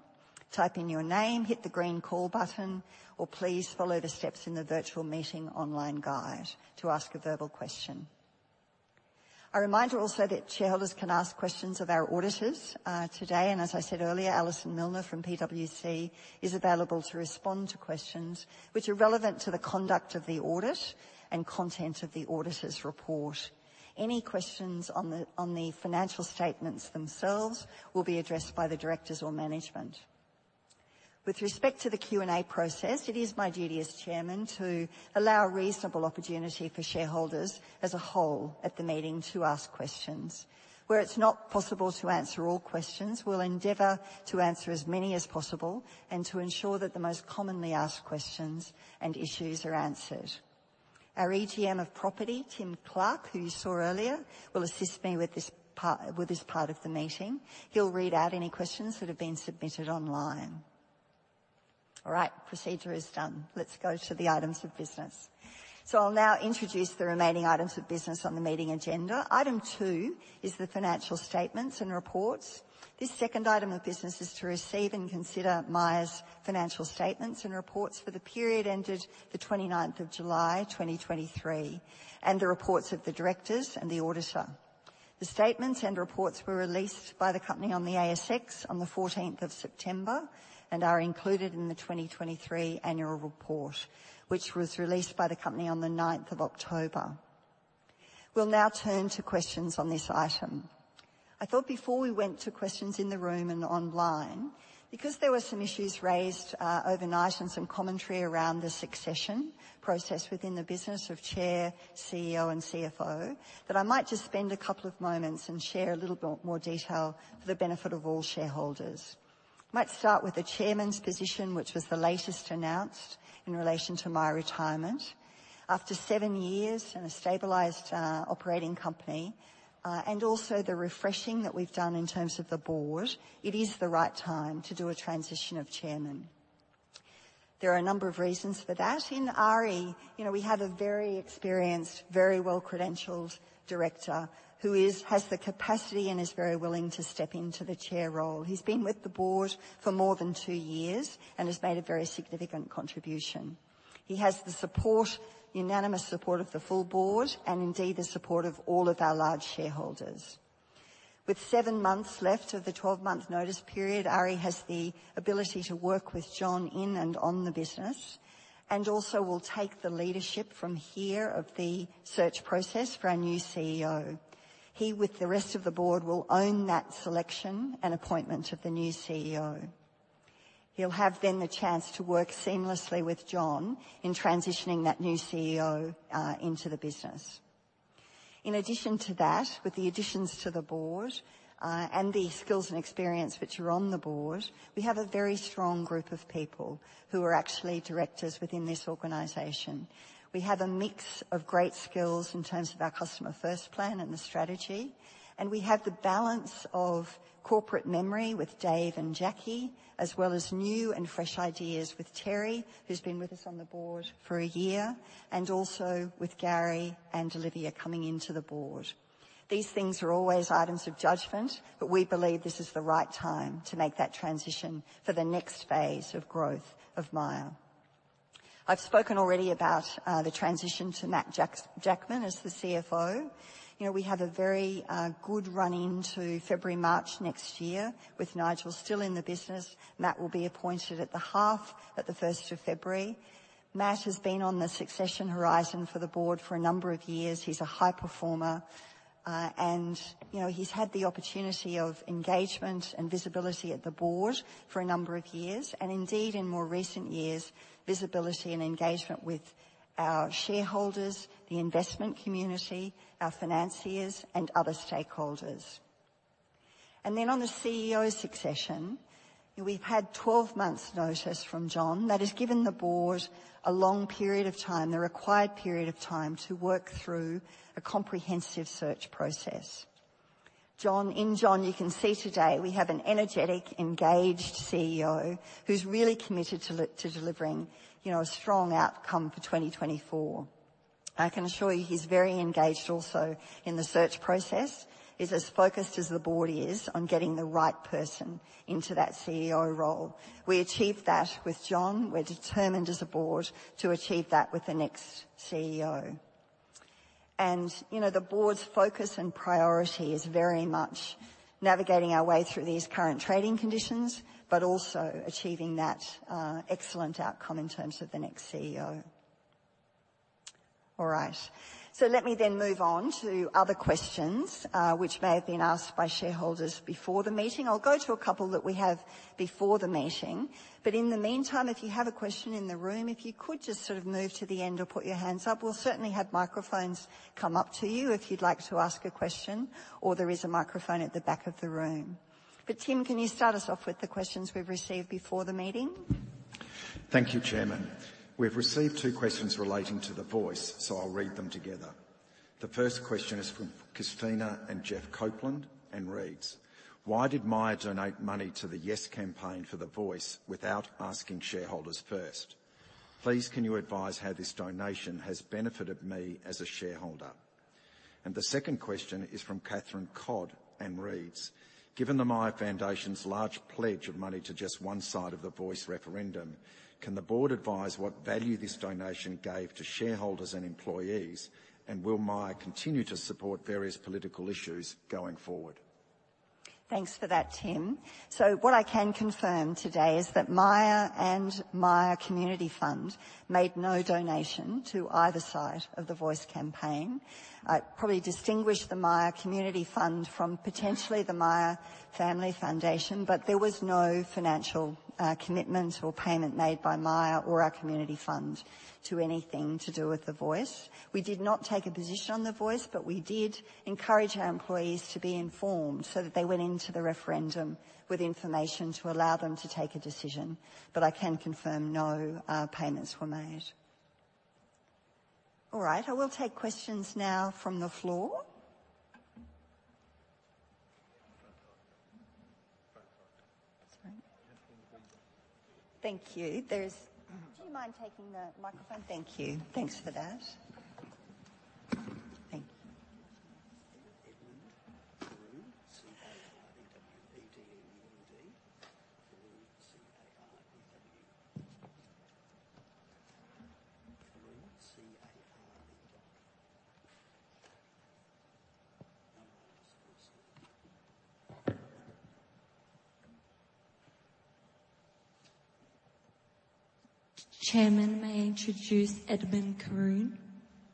Type in your name, hit the green Call button, or please follow the steps in the virtual meeting online guide to ask a verbal question. A reminder also that shareholders can ask questions of our auditors today, and as I said earlier, Alison Milner from PwC is available to respond to questions which are relevant to the conduct of the audit and content of the auditor's report. Any questions on the financial statements themselves will be addressed by the directors or management. With respect to the Q&A process, it is my duty as chairman to allow a reasonable opportunity for shareholders as a whole at the meeting to ask questions. Where it's not possible to answer all questions, we'll endeavor to answer as many as possible and to ensure that the most commonly asked questions and issues are answered.... Our EGM of property, Tim Clark, who you saw earlier, will assist me with this part of the meeting. He'll read out any questions that have been submitted online. All right, procedure is done. Let's go to the items of business. So I'll now introduce the remaining items of business on the meeting agenda. Item 2 is the financial statements and reports. This second item of business is to receive and consider Myer's financial statements and reports for the period ended the 29th of July, 2023, and the reports of the directors and the auditor. The statements and reports were released by the company on the ASX on the 14th of September and are included in the 2023 Annual Report, which was released by the company on the 9th of October. We'll now turn to questions on this item. I thought before we went to questions in the room and online, because there were some issues raised overnight and some commentary around the succession process within the business of Chair, CEO, and CFO, that I might just spend a couple of moments and share a little bit more detail for the benefit of all shareholders. I might start with the chairman's position, which was the latest announced in relation to my retirement. After seven years and a stabilized operating company, and also the refreshing that we've done in terms of the Board, it is the right time to do a transition of chairman. There are a number of reasons for that. In Ari, you know, we have a very experienced, very well-credentialed director who has the capacity and is very willing to step into the chair role. He's been with the Board for more than two years and has made a very significant contribution. He has the support, unanimous support of the full Board and indeed the support of all of our large shareholders. With seven months left of the 12-month notice period, Ari has the ability to work with John in and on the business, and also will take the leadership from here of the search process for our new CEO. He, with the rest of the Board, will own that selection and appointment of the new CEO. He'll have then the chance to work seamlessly with John in transitioning that new CEO into the business. In addition to that, with the additions to the Board and the skills and experience which are on the Board, we have a very strong group of people who are actually directors within this organization. We have a mix of great skills in terms of our Customer First Plan and the strategy, and we have the balance of corporate memory with Dave and Jacquie, as well as new and fresh ideas with Terry, who's been with us on the Board for a year, and also with Gary and Olivia coming into the Board. These things are always items of judgment, but we believe this is the right time to make that transition for the next phase of growth of Myer. I've spoken already about the transition to Matt Jackman as the CFO. You know, we have a very good run into February, March next year, with Nigel still in the business. Matt will be appointed at the half at the first of February. Matt has been on the succession horizon for the Board for a number of years. He's a high performer, and you know, he's had the opportunity of engagement and visibility at the Board for a number of years, and indeed in more recent years, visibility and engagement with our shareholders, the investment community, our financiers and other stakeholders. And then on the CEO succession, we've had 12 months notice from John. That has given the Board a long period of time, the required period of time, to work through a comprehensive search process. John. In John, you can see today we have an energetic, engaged CEO who's really committed to delivering, you know, a strong outcome for 2024. I can assure you he's very engaged also in the search process. He's as focused as the Board is on getting the right person into that CEO role. We achieved that with John. We're determined as a Board to achieve that with the next CEO. You know, the Board's focus and priority is very much navigating our way through these current trading conditions, but also achieving that excellent outcome in terms of the next CEO. All right, so let me then move on to other questions which may have been asked by shareholders before the meeting. I'll go to a couple that we have before the meeting, but in the meantime, if you have a question in the room, if you could just sort of move to the end or put your hands up. We'll certainly have microphones come up to you if you'd like to ask a question, or there is a microphone at the back of the room. But Tim, can you start us off with the questions we've received before the meeting? Thank you, Chairman. We've received two questions relating to The Voice, so I'll read them together. The first question is from Christina and Jeff Copeland and reads: Why did Myer donate money to the Yes campaign for The Voice without asking shareholders first? Please, can you advise how this donation has benefited me as a shareholder? And the second question is from Catherine Cod and reads: Given the Myer Foundation's large pledge of money to just one side of the Voice referendum, can the Board advise what value this donation gave to shareholders and employees, and will Myer continue to support various political issues going forward? Thanks for that, Tim. So what I can confirm today is that Myer and Myer Community Fund made no donation to either side of the Voice campaign. I'd probably distinguish the Myer Community Fund from potentially the Myer Family Foundation, but there was no financial commitment or payment made by Myer or our community fund to anything to do with The Voice. We did not take a position on The Voice, but we did encourage our employees to be informed so that they went into the referendum with information to allow them to take a decision. But I can confirm no payments were made. All right, I will take questions now from the floor. Thank you. Do you mind taking the microphone? Thank you. Thanks for that. Thank you. Edmund Carew. C-A-R-E-W, E-D-M-U-N-D. Carew, C-A-R-E-W. C-A-R-E-W. Chairman, may I introduce Edmund Carew?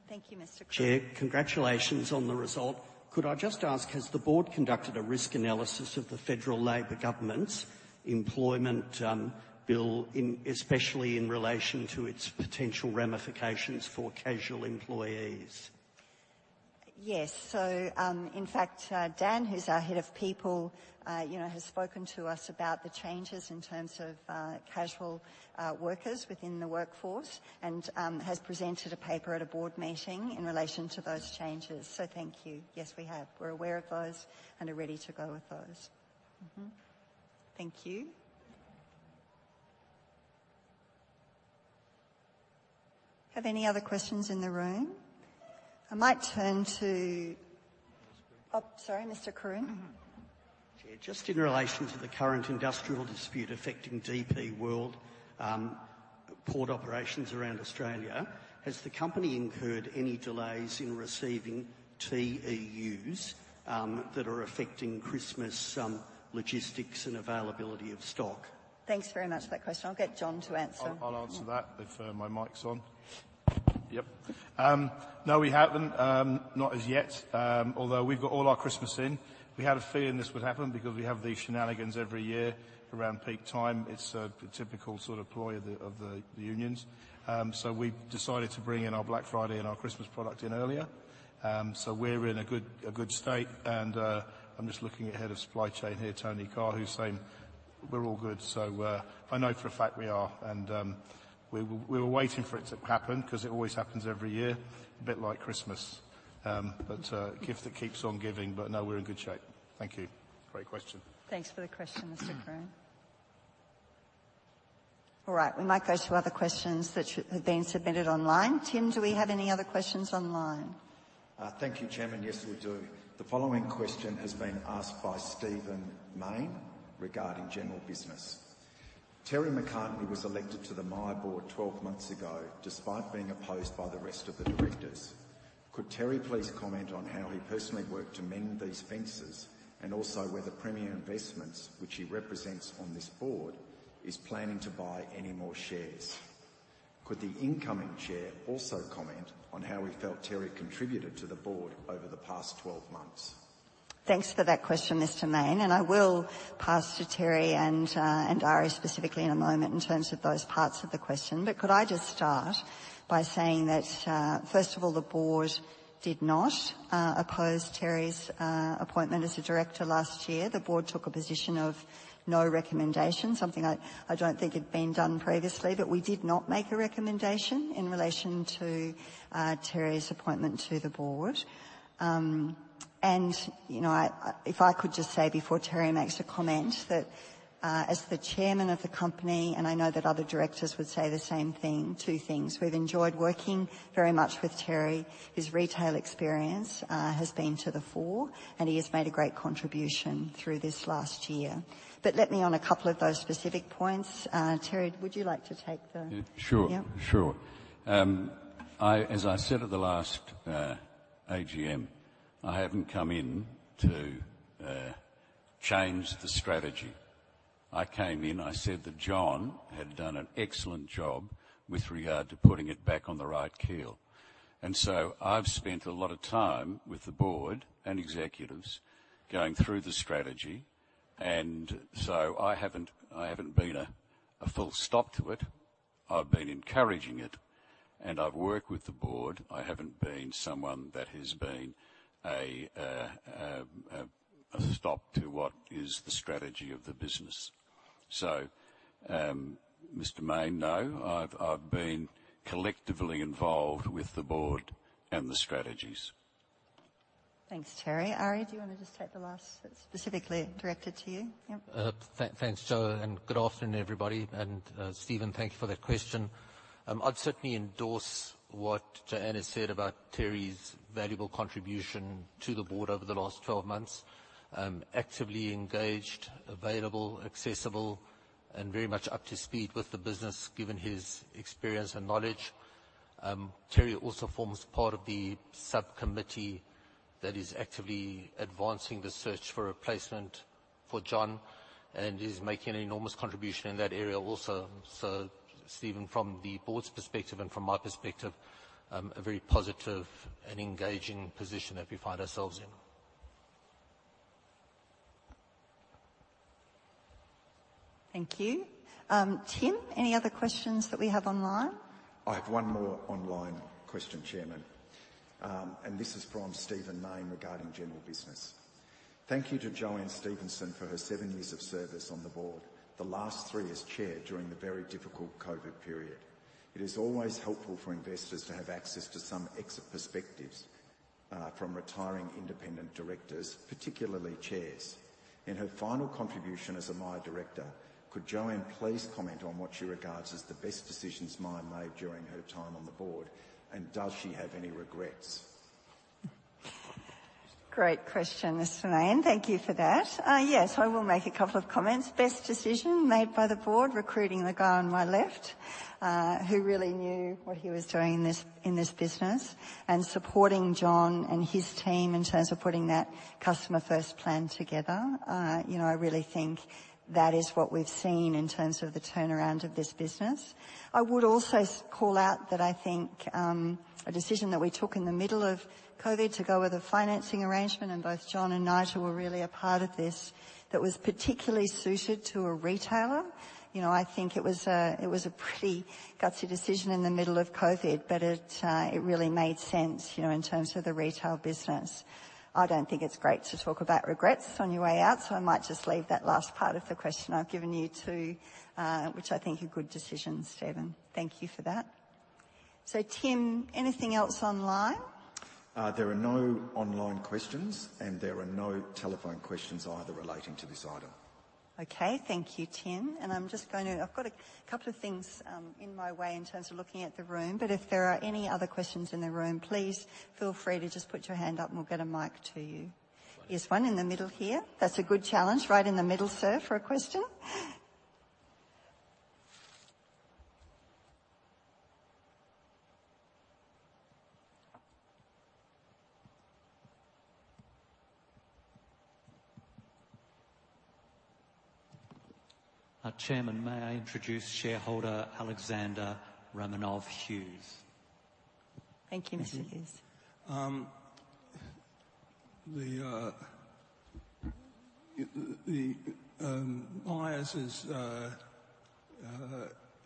Thank you, Mr. Carew. Chair, congratulations on the result. Could I just ask, has the Board conducted a risk analysis of the Federal Labor Government's employment bill, especially in relation to its potential ramifications for casual employees? Yes. So, in fact, Dan, who's our head of people, you know, has spoken to us about the changes in terms of casual workers within the workforce and has presented a paper at a board meeting in relation to those changes. So thank you. Yes, we have. We're aware of those and are ready to go with those. Mm-hmm. Thank you. Have any other questions in the room? I might turn to- Mr. Carew. Oh, sorry, Mr. Carew. Yeah, just in relation to the current industrial dispute affecting DP World port operations around Australia, has the company incurred any delays in receiving TEUs that are affecting Christmas logistics and availability of stock? Thanks very much for that question. I'll get John to answer. I'll answer that if my mic's on. Yep. No, we haven't not as yet. Although we've got all our Christmas in. We had a feeling this would happen because we have these shenanigans every year around peak time. It's the typical sort of ploy of the unions. So we decided to bring in our Black Friday and our Christmas product in earlier. So we're in a good state and I'm just looking at head of supply chain here, Tony Carr, who's saying we're all good. So I know for a fact we are, and we were waiting for it to happen because it always happens every year, a bit like Christmas. But gift that keeps on giving. But no, we're in good shape. Thank you. Great question. Thanks for the question, Mr. Carew. All right, we might go to other questions that have been submitted online. Tim, do we have any other questions online? Thank you, Chairman. Yes, we do. The following question has been asked by Stephen Mayne regarding general business: Terry McCartney was elected to the Myer Board 12 months ago, despite being opposed by the rest of the directors. Could Terry please comment on how he personally worked to mend these fences, and also whether Premier Investments, which he represents on this board, is planning to buy any more shares? Could the incoming chair also comment on how he felt Terry contributed to the Board over the past 12 months? Thanks for that question, Mr. Mayne, and I will pass to Terry and Ari, specifically in a moment, in terms of those parts of the question. But could I just start by saying that, first of all, the Board did not oppose Terry's appointment as a director last year. The Board took a position of no recommendation, something I don't think had been done previously, but we did not make a recommendation in relation to Terry's appointment to the Board. And you know, if I could just say before Terry makes a comment, that, as the chairman of the company, and I know that other directors would say the same thing, two things: We've enjoyed working very much with Terry. His retail experience has been to the fore, and he has made a great contribution through this last year. But let me on a couple of those specific points, Terry, would you like to take the- Sure. Yeah. Sure. I, as I said at the last AGM, I haven't come in to change the strategy. I came in, I said that John had done an excellent job with regard to putting it back on the right keel, and so I've spent a lot of time with the Board and executives going through the strategy, and so I haven't, I haven't been a, a full stop to it. I've been encouraging it, and I've worked with the Board. I haven't been someone that has been a, a stop to what is the strategy of the business. So, Mr. Mayne, no, I've, I've been collectively involved with the Board and the strategies. Thanks, Terry. Ari, do you want to just take the last bit specifically directed to you? Yep. Thanks, Jo, and good afternoon, everybody, and, Steven, thank you for that question. I'd certainly endorse what JoAnne has said about Terry's valuable contribution to the Board over the last 12 months. Actively engaged, available, accessible, and very much up to speed with the business, given his experience and knowledge. Terry also forms part of the subcommittee that is actively advancing the search for a replacement for John and is making an enormous contribution in that area also. So Steven, from the Board's perspective and from my perspective, a very positive and engaging position that we find ourselves in. Thank you. Tim, any other questions that we have online? I have one more online question, Chairman. And this is from Stephen Mayne regarding general business: Thank you to JoAnne Stephenson for her seven years of service on the Board, the last three as chair during the very difficult COVID period. It is always helpful for investors to have access to some exit perspectives from retiring independent directors, particularly chairs. In her final contribution as a Myer director, could JoAnne please comment on what she regards as the best decisions Myer made during her time on the Board, and does she have any regrets? Great question, Mr. Mayne. Thank you for that. Yes, I will make a couple of comments. Best decision made by the Board, recruiting the guy on my left, who really knew what he was doing in this, in this business, and supporting John and his team in terms of putting that Customer First Plan together. You know, I really think that is what we've seen in terms of the turnaround of this business. I would also call out that I think, a decision that we took in the middle of COVID to go with a financing arrangement, and both John and Nigel were really a part of this, that was particularly suited to a retailer. You know, I think it was a pretty gutsy decision in the middle of COVID, but it really made sense, you know, in terms of the retail business. I don't think it's great to talk about regrets on your way out, so I might just leave that last part of the question I've given you to, which I think are good decisions, Stephen. Thank you for that. So Tim, anything else online? There are no online questions, and there are no telephone questions either relating to this item. Okay, thank you, Tim. And I'm just going to... I've got a couple of things in my way in terms of looking at the room, but if there are any other questions in the room, please feel free to just put your hand up and we'll get a mic to you. There's one in the middle here. That's a good challenge, right in the middle, sir, for a question. Chairman, may I introduce shareholder Alexander Romanov Hughes. Thank you, Mr. Hughes. The Myer is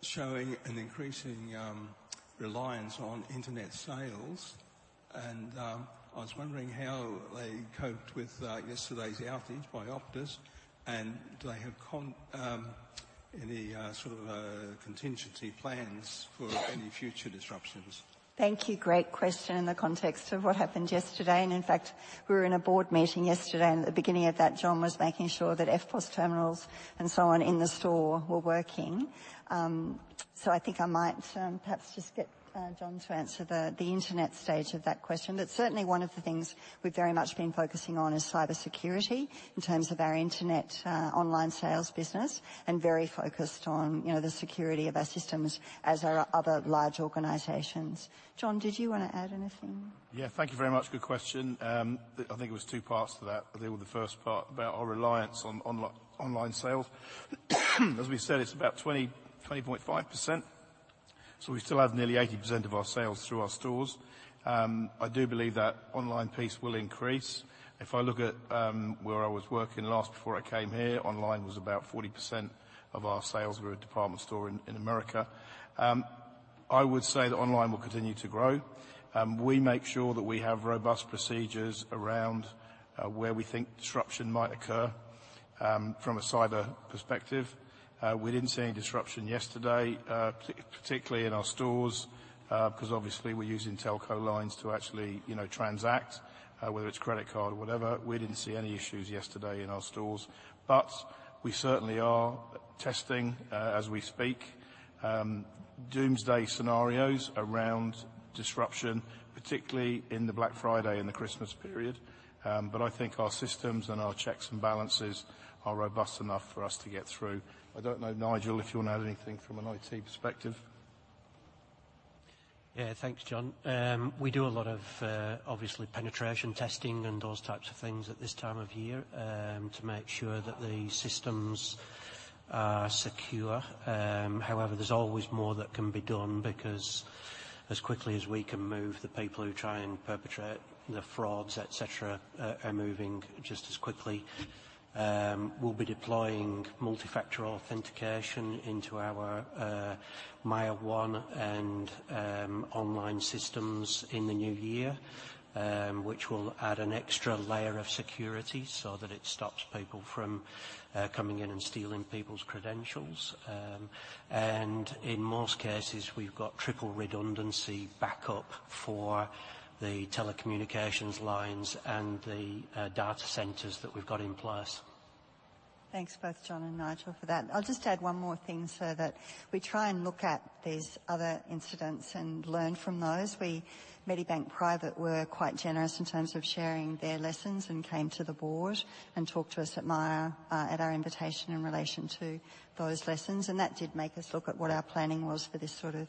showing an increasing reliance on internet sales, and I was wondering how they coped with yesterday's outage by Optus, and do they have any sort of contingency plans for any future disruptions? Thank you. Great question in the context of what happened yesterday. And in fact, we were in a board meeting yesterday, and at the beginning of that, John was making sure that EFTPOS terminals and so on in the store were working. So I think I might, perhaps just get, John to answer the, the internet stage of that question. But certainly one of the things we've very much been focusing on is cybersecurity in terms of our internet, online sales business, and very focused on, you know, the security of our systems as are other large organizations. John, did you want to add anything? Yeah, thank you very much. Good question. I think it was two parts to that. I deal with the first part about our reliance on online sales. As we said, it's about 20.5%, so we still have nearly 80% of our sales through our stores. I do believe that online piece will increase. If I look at where I was working last before I came here, online was about 40% of our sales. We were a department store in America. I would say that online will continue to grow. We make sure that we have robust procedures around where we think disruption might occur from a cyber perspective. We didn't see any disruption yesterday, particularly in our stores, because obviously we're using telco lines to actually, you know, transact, whether it's credit card or whatever. We didn't see any issues yesterday in our stores. But we certainly are testing, as we speak, doomsday scenarios around disruption, particularly in the Black Friday and the Christmas period. But I think our systems and our checks and balances are robust enough for us to get through. I don't know, Nigel, if you want to add anything from an IT perspective. Yeah, thanks, John. We do a lot of, obviously, penetration testing and those types of things at this time of year, to make sure that the systems are secure. However, there's always more that can be done because as quickly as we can move, the people who try and perpetrate the frauds, et cetera, are moving just as quickly. We'll be deploying multifactor authentication into our, MYER one and, online systems in the new year, which will add an extra layer of security so that it stops people from, coming in and stealing people's credentials. And in most cases, we've got triple redundancy backup for the telecommunications lines and the, data centers that we've got in place. Thanks both John and Nigel, for that. I'll just add one more thing, sir, that we try and look at these other incidents and learn from those. We Medibank Private were quite generous in terms of sharing their lessons and came to the Board and talked to us at Myer, at our invitation in relation to those lessons, and that did make us look at what our planning was for this sort of,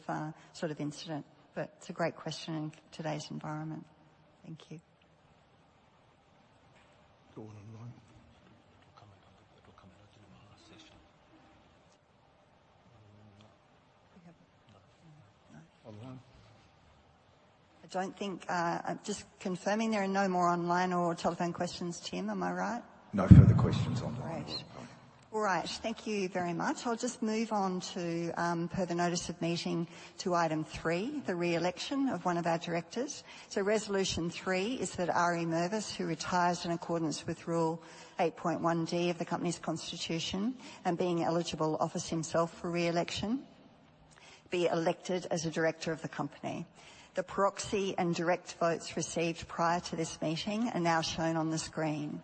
sort of incident. But it's a great question in today's environment. Thank you. Go online. We'll comment on the last session. We have- No. No. Online? I don't think, I'm just confirming there are no more online or telephone questions, Tim, am I right? No further questions online. Great. All right. Thank you very much. I'll just move on to, per the notice of meeting, to item 3, the re-election of one of our directors. So Resolution 3 is that Ari Mervis, who retires in accordance with Rule 8.1D of the company's constitution, and being eligible, offers himself for re-election be elected as a director of the company. The proxy and direct votes received prior to this meeting are now shown on the screen.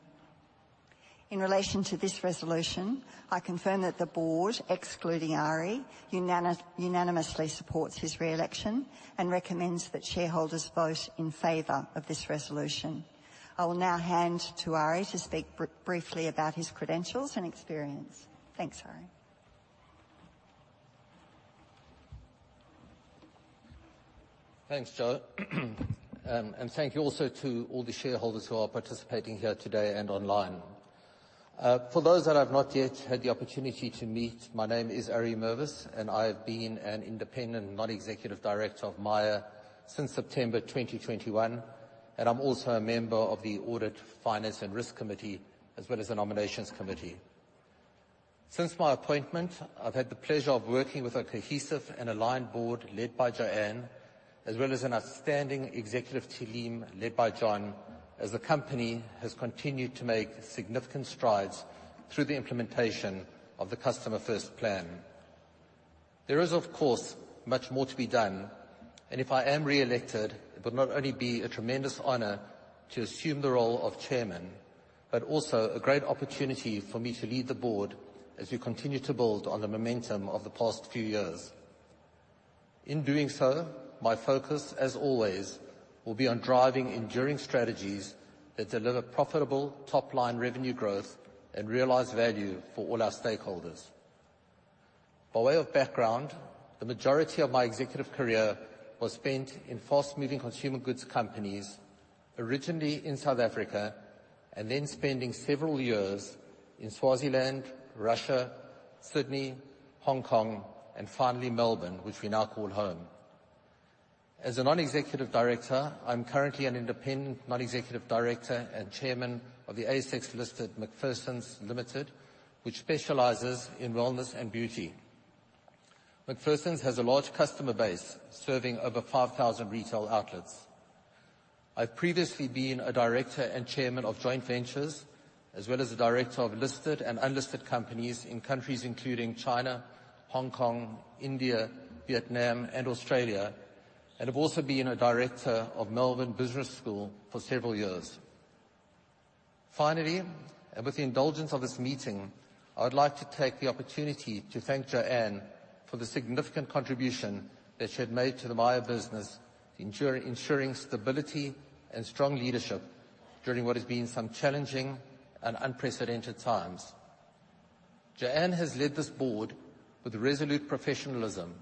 In relation to this resolution, I confirm that the Board, excluding Ari, unanimously supports his re-election and recommends that shareholders vote in favor of this resolution. I will now hand to Ari to speak briefly about his credentials and experience. Thanks, Ari. Thanks, Jo. And thank you also to all the shareholders who are participating here today and online. For those that I've not yet had the opportunity to meet, my name is Ari Mervis, and I've been an independent non-executive director of Myer since September 2021, and I'm also a member of the Audit, Finance and Risk Committee, as well as the Nominations Committee. Since my appointment, I've had the pleasure of working with a cohesive and aligned Board led by JoAnne, as well as an outstanding executive team led by John, as the company has continued to make significant strides through the implementation of the Customer First Plan. There is, of course, much more to be done, and if I am re-elected, it will not only be a tremendous honor to assume the role of chairman, but also a great opportunity for me to lead the Board as we continue to build on the momentum of the past few years. In doing so, my focus, as always, will be on driving enduring strategies that deliver profitable top-line revenue growth and realize value for all our stakeholders. By way of background, the majority of my executive career was spent in fast-moving consumer goods companies, originally in South Africa, and then spending several years in Swaziland, Russia, Sydney, Hong Kong, and finally Melbourne, which we now call home. As a non-executive director, I'm currently an independent non-executive director and chairman of the ASX-listed McPherson's Limited, which specializes in wellness and beauty. McPherson's has a large customer base, serving over 5,000 retail outlets. I've previously been a director and chairman of joint ventures, as well as a director of listed and unlisted companies in countries including China, Hong Kong, India, Vietnam, and Australia, and have also been a director of Melbourne Business School for several years. Finally, and with the indulgence of this meeting, I would like to take the opportunity to thank JoAnne for the significant contribution that she had made to the Myer business, ensuring stability and strong leadership during what has been some challenging and unprecedented times. JoAnne has led this Board with resolute professionalism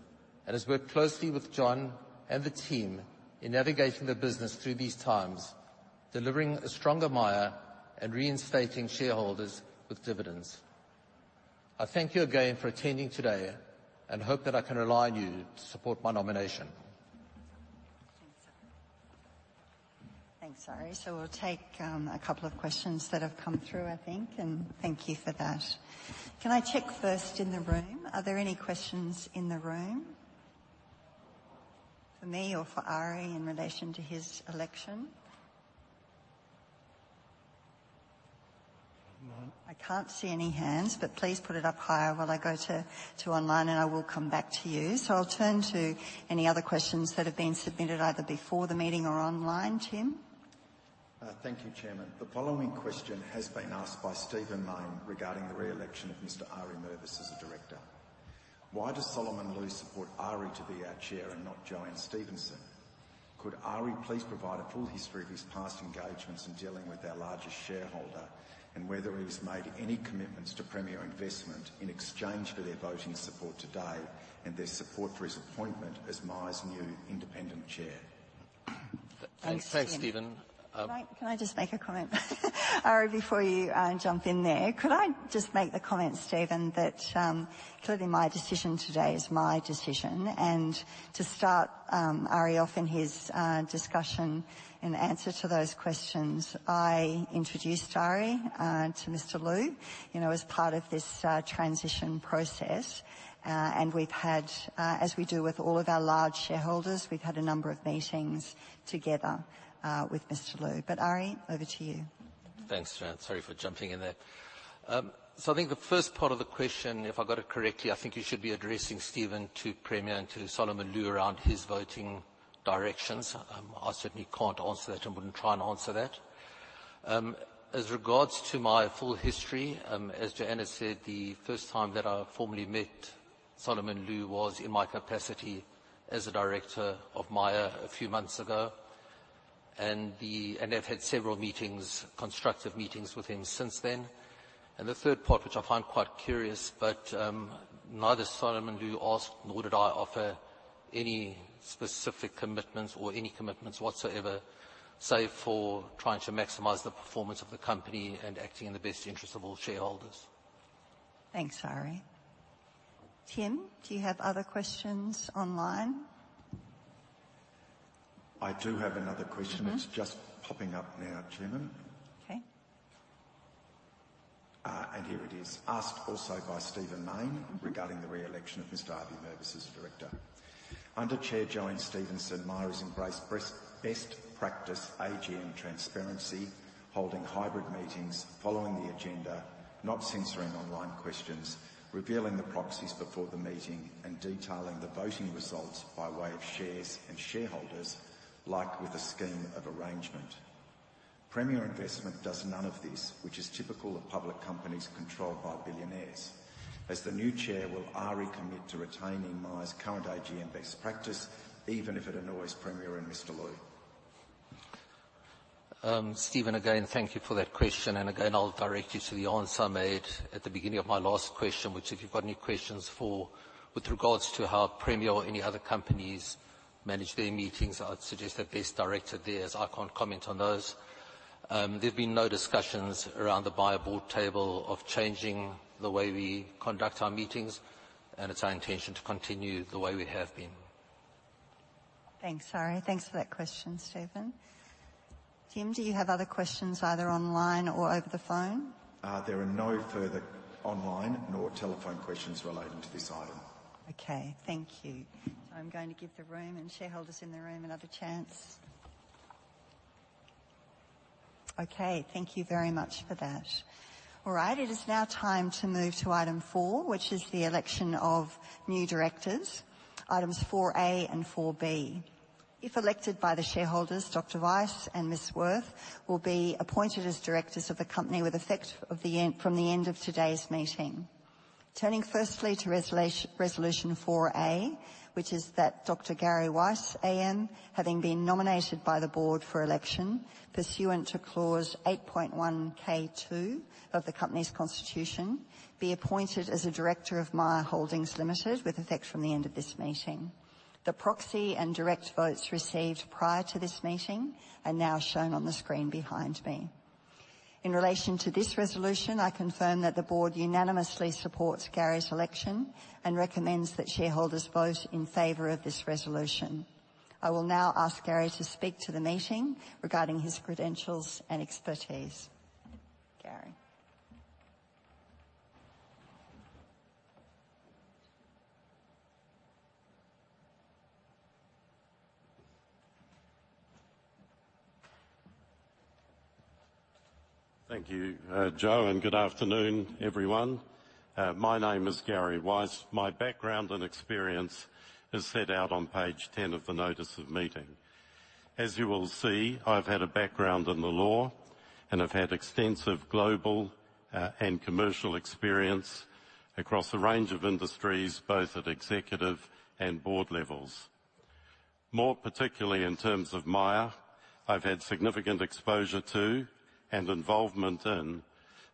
and has worked closely with John and the team in navigating the business through these times, delivering a stronger Myer and reinstating shareholders with dividends. I thank you again for attending today and hope that I can rely on you to support my nomination. Thanks, Ari. So we'll take a couple of questions that have come through, I think, and thank you for that. Can I check first in the room? Are there any questions in the room for me or for Ari in relation to his election? No. I can't see any hands, but please put it up higher while I go to online, and I will come back to you. So I'll turn to any other questions that have been submitted either before the meeting or online. Tim? Thank you, Chairman. The following question has been asked by Stephen Mayne regarding the re-election of Mr. Ari Mervis as a director: Why does Solomon Lew support Ari to be our chair and not JoAnne Stephenson? Could Ari please provide a full history of his past engagements in dealing with our largest shareholder, and whether he has made any commitments to Premier Investments in exchange for their voting support today and their support for his appointment as Myer's new independent chair? Thanks, Stephen. Can I, can I just make a comment, Ari, before you jump in there? Could I just make the comment, Stephen, that clearly my decision today is my decision. And to start Ari off in his discussion, in answer to those questions, I introduced Ari to Mr. Lew, you know, as part of this transition process. And we've had, as we do with all of our large shareholders, we've had a number of meetings together with Mr. Lew. But Ari, over to you. Thanks, JoAnne. Sorry for jumping in there. So I think the first part of the question, if I got it correctly, I think you should be addressing Stephen to Premier and to Solomon Lew around his voting directions. I certainly can't answer that and wouldn't try and answer that. As regards to my full history, as JoAnne has said, the first time that I formally met Solomon Lew was in my capacity as a director of Myer a few months ago, and I've had several meetings, constructive meetings with him since then. And the third part, which I find quite curious, but, neither Solomon Lew asked, nor did I offer any specific commitments or any commitments whatsoever, save for trying to maximize the performance of the company and acting in the best interest of all shareholders. Thanks, Ari. Tim, do you have other questions online? I do have another question. It's just popping up now, Chairman. Okay. Here it is. Asked also by Stephen Mayne. Regarding the re-election of Mr. Ari Mervis as director. Under Chair JoAnne Stephenson, Myer has embraced best practice AGM transparency, holding hybrid meetings, following the agenda, not censoring online questions, revealing the proxies before the meeting, and detailing the voting results by way of shares and shareholders, like with the scheme of arrangement. Premier Investments does none of this, which is typical of public companies controlled by billionaires. As the new chair, will Ari commit to retaining Myer's current AGM best practice, even if it annoys Premier and Mr. Lew? Stephen, again, thank you for that question, and again, I'll direct you to the answer I made at the beginning of my last question, which if you've got any questions for, with regards to how Premier or any other companies manage their meetings, I would suggest that best directed there, as I can't comment on those. There have been no discussions around the Myer Board table of changing the way we conduct our meetings, and it's our intention to continue the way we have been. Thanks, Ari. Thanks for that question, Stephen. Tim, do you have other questions, either online or over the phone? There are no further online nor telephone questions relating to this item. Okay, thank you. I'm going to give the room and shareholders in the room another chance. Okay, thank you very much for that. All right, it is now time to move to item 4, which is the election of new directors, items 4A and 4B. If elected by the shareholders, Dr. Weiss and Ms. Wirth will be appointed as directors of the company with effect from the end of today's meeting. Turning firstly to Resolution 4A, which is that Dr. Gary Weiss AM, having been nominated by the Board for election, pursuant to clause 8.1(k)(2) of the Company's Constitution, be appointed as a director of Myer Holdings Limited, with effect from the end of this meeting. The proxy and direct votes received prior to this meeting are now shown on the screen behind me. In relation to this resolution, I confirm that the Board unanimously supports Gary's election and recommends that shareholders vote in favor of this resolution. I will now ask Gary to speak to the meeting regarding his credentials and expertise. Gary? Thank you, Jo, and good afternoon, everyone. My name is Gary Weiss. My background and experience is set out on page 10 of the notice of meeting. As you will see, I've had a background in the law and I've had extensive global, and commercial experience across a range of industries, both at executive and board levels. More particularly in terms of Myer, I've had significant exposure to and involvement in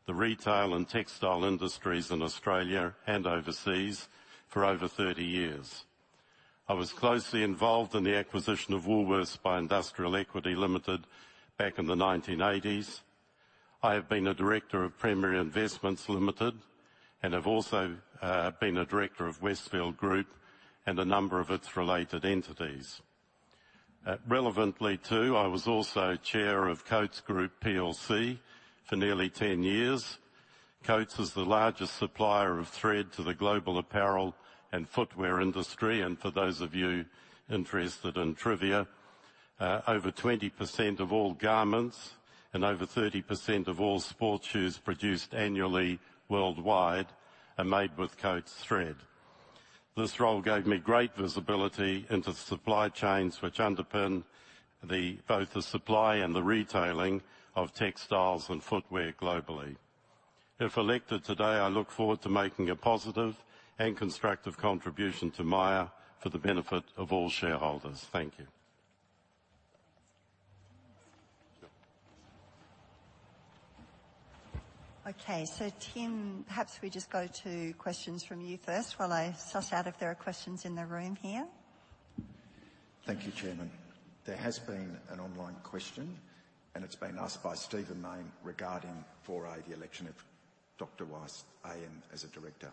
the retail and textile industries in Australia and overseas for over 30 years. I was closely involved in the acquisition of Woolworths by Industrial Equity Limited back in the 1980s. I have been a director of Premier Investments Limited and have also, been a director of Westfield Group and a number of its related entities. Relevantly, too, I was also Chair of Coats Group PLC for nearly 10 years. Coats is the largest supplier of thread to the global apparel and footwear industry, and for those of you interested in trivia, over 20% of all garments and over 30% of all sports shoes produced annually worldwide are made with Coats thread. This role gave me great visibility into the supply chains which underpin the, both the supply and the retailing of textiles and footwear globally. If elected today, I look forward to making a positive and constructive contribution to Myer for the benefit of all shareholders. Thank you. Okay, so Tim, perhaps we just go to questions from you first while I suss out if there are questions in the room here. Thank you, Chairman. There has been an online question, and it's been asked by Stephen Mayne regarding 4A, the election of Dr. Weiss AM as a director.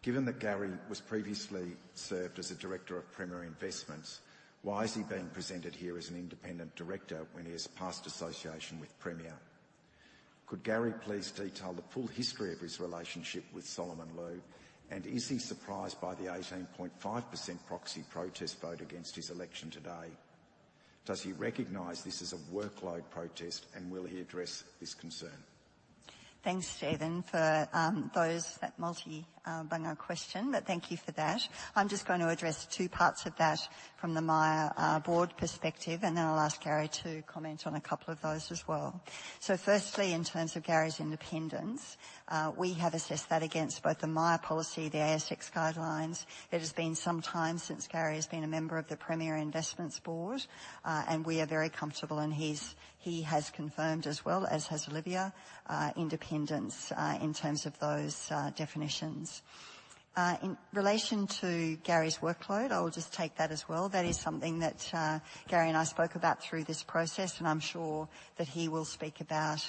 Given that Gary was previously served as a director of Premier Investments, why is he being presented here as an independent director when he has a past association with Premier? Could Gary please detail the full history of his relationship with Solomon Lew, and is he surprised by the 18.5% proxy protest vote against his election today? Does he recognize this as a workload protest, and will he address this concern? Thanks, Stephen, for those, that multi-banger question, but thank you for that. I'm just going to address two parts of that from the Myer Board perspective, and then I'll ask Gary to comment on a couple of those as well. So firstly, in terms of Gary's independence, we have assessed that against both the Myer policy, the ASX guidelines. It has been some time since Gary has been a member of the Premier Investments board, and we are very comfortable, and he has confirmed as well, as has Olivia, independence in terms of those definitions. In relation to Gary's workload, I will just take that as well. That is something that Gary and I spoke about through this process, and I'm sure that he will speak about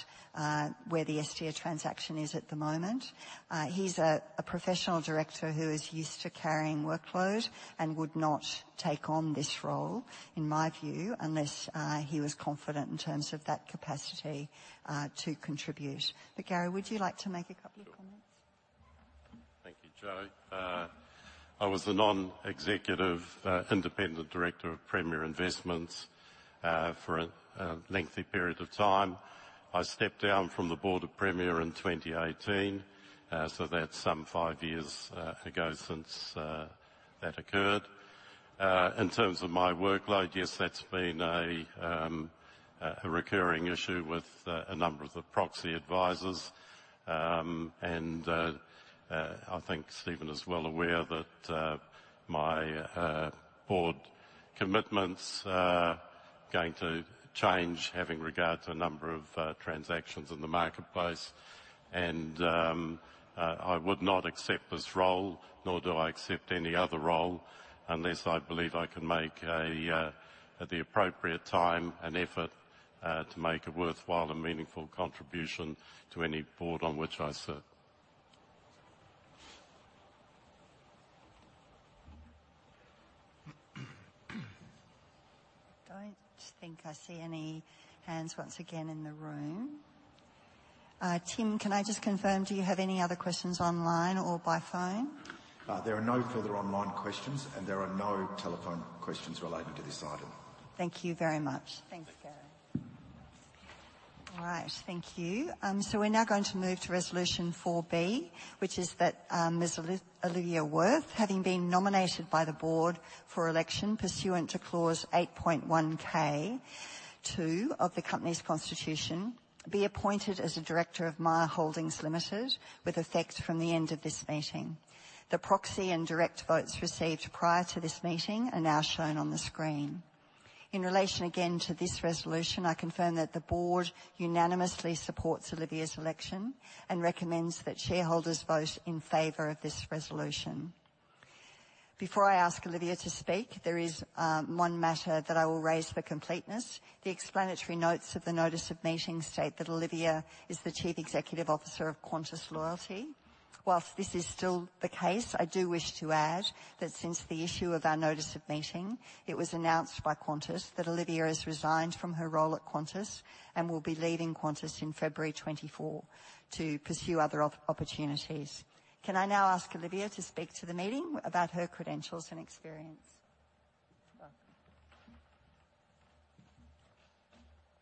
where the Estia transaction is at the moment. He's a professional director who is used to carrying workload and would not take on this role, in my view, unless he was confident in terms of that capacity to contribute. But Gary, would you like to make a couple of comments? Thank you, Jo. I was the non-executive, independent director of Premier Investments, for a lengthy period of time. I stepped down from the Board of Premier in 2018, so that's some five years ago since that occurred. In terms of my workload, yes, that's been a recurring issue with a number of the proxy advisors. And I think Stephen is well aware that my board commitments are going to change, having regard to a number of transactions in the marketplace. And I would not accept this role, nor do I accept any other role, unless I believe I can make a at the appropriate time and effort to make a worthwhile and meaningful contribution to any board on which I serve. I don't think I see any hands once again in the room. Tim, can I just confirm, do you have any other questions online or by phone? There are no further online questions, and there are no telephone questions relating to this item. Thank you very much. Thanks, Gary. All right, thank you. So we're now going to move to Resolution 4B, which is that Ms. Olivia Wirth, having been nominated by the Board for election pursuant to clause 8.1(k)(2) of the company's constitution, be appointed as a director of Myer Holdings Limited, with effect from the end of this meeting. The proxy and direct votes received prior to this meeting are now shown on the screen. In relation again to this resolution, I confirm that the Board unanimously supports Olivia's election and recommends that shareholders vote in favor of this resolution. Before I ask Olivia to speak, there is one matter that I will raise for completeness. The explanatory notes of the notice of meeting state that Olivia is the Chief Executive Officer of Qantas Loyalty. Whilst this is still the case, I do wish to add that since the issue of our notice of meeting, it was announced by Qantas that Olivia has resigned from her role at Qantas and will be leaving Qantas in February 2024 to pursue other opportunities. Can I now ask Olivia to speak to the meeting about her credentials and experience? Welcome.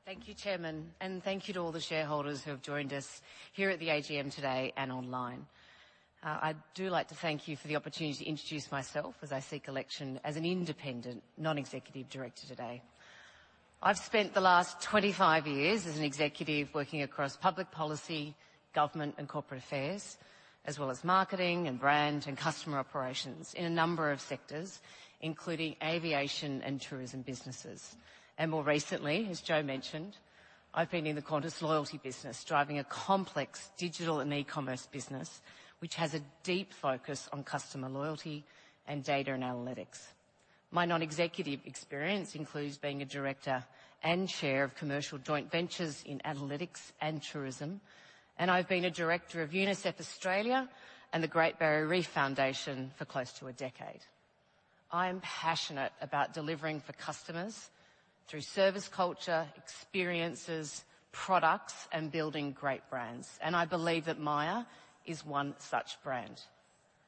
Thank you, Chairman, and thank you to all the shareholders who have joined us here at the AGM today and online. I'd like to thank you for the opportunity to introduce myself as I seek election as an independent, non-executive director today. I've spent the last 25 years as an executive, working across public policy, government, and corporate affairs, as well as marketing and brand and customer operations in a number of sectors, including aviation and tourism businesses. And more recently, as Jo mentioned, I've been in the Qantas Loyalty business, driving a complex digital and e-commerce business, which has a deep focus on customer loyalty and data and analytics. My non-executive experience includes being a director and chair of commercial joint ventures in analytics and tourism, and I've been a director of UNICEF Australia and the Great Barrier Reef Foundation for close to a decade. I am passionate about delivering for customers through service culture, experiences, products, and building great brands, and I believe that Myer is one such brand.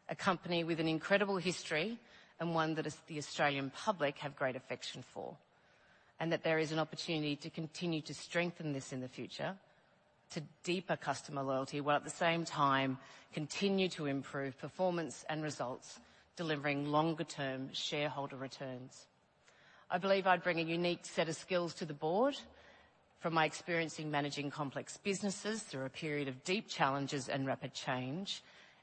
A company with an incredible history and one that the Australian public have great affection for, and that there is an opportunity to continue to strengthen this in the future to deeper customer loyalty, while at the same time continue to improve performance and results, delivering longer-term shareholder returns. I believe I'd bring a unique set of skills to the Board from my experience in managing complex businesses through a period of deep challenges and rapid change,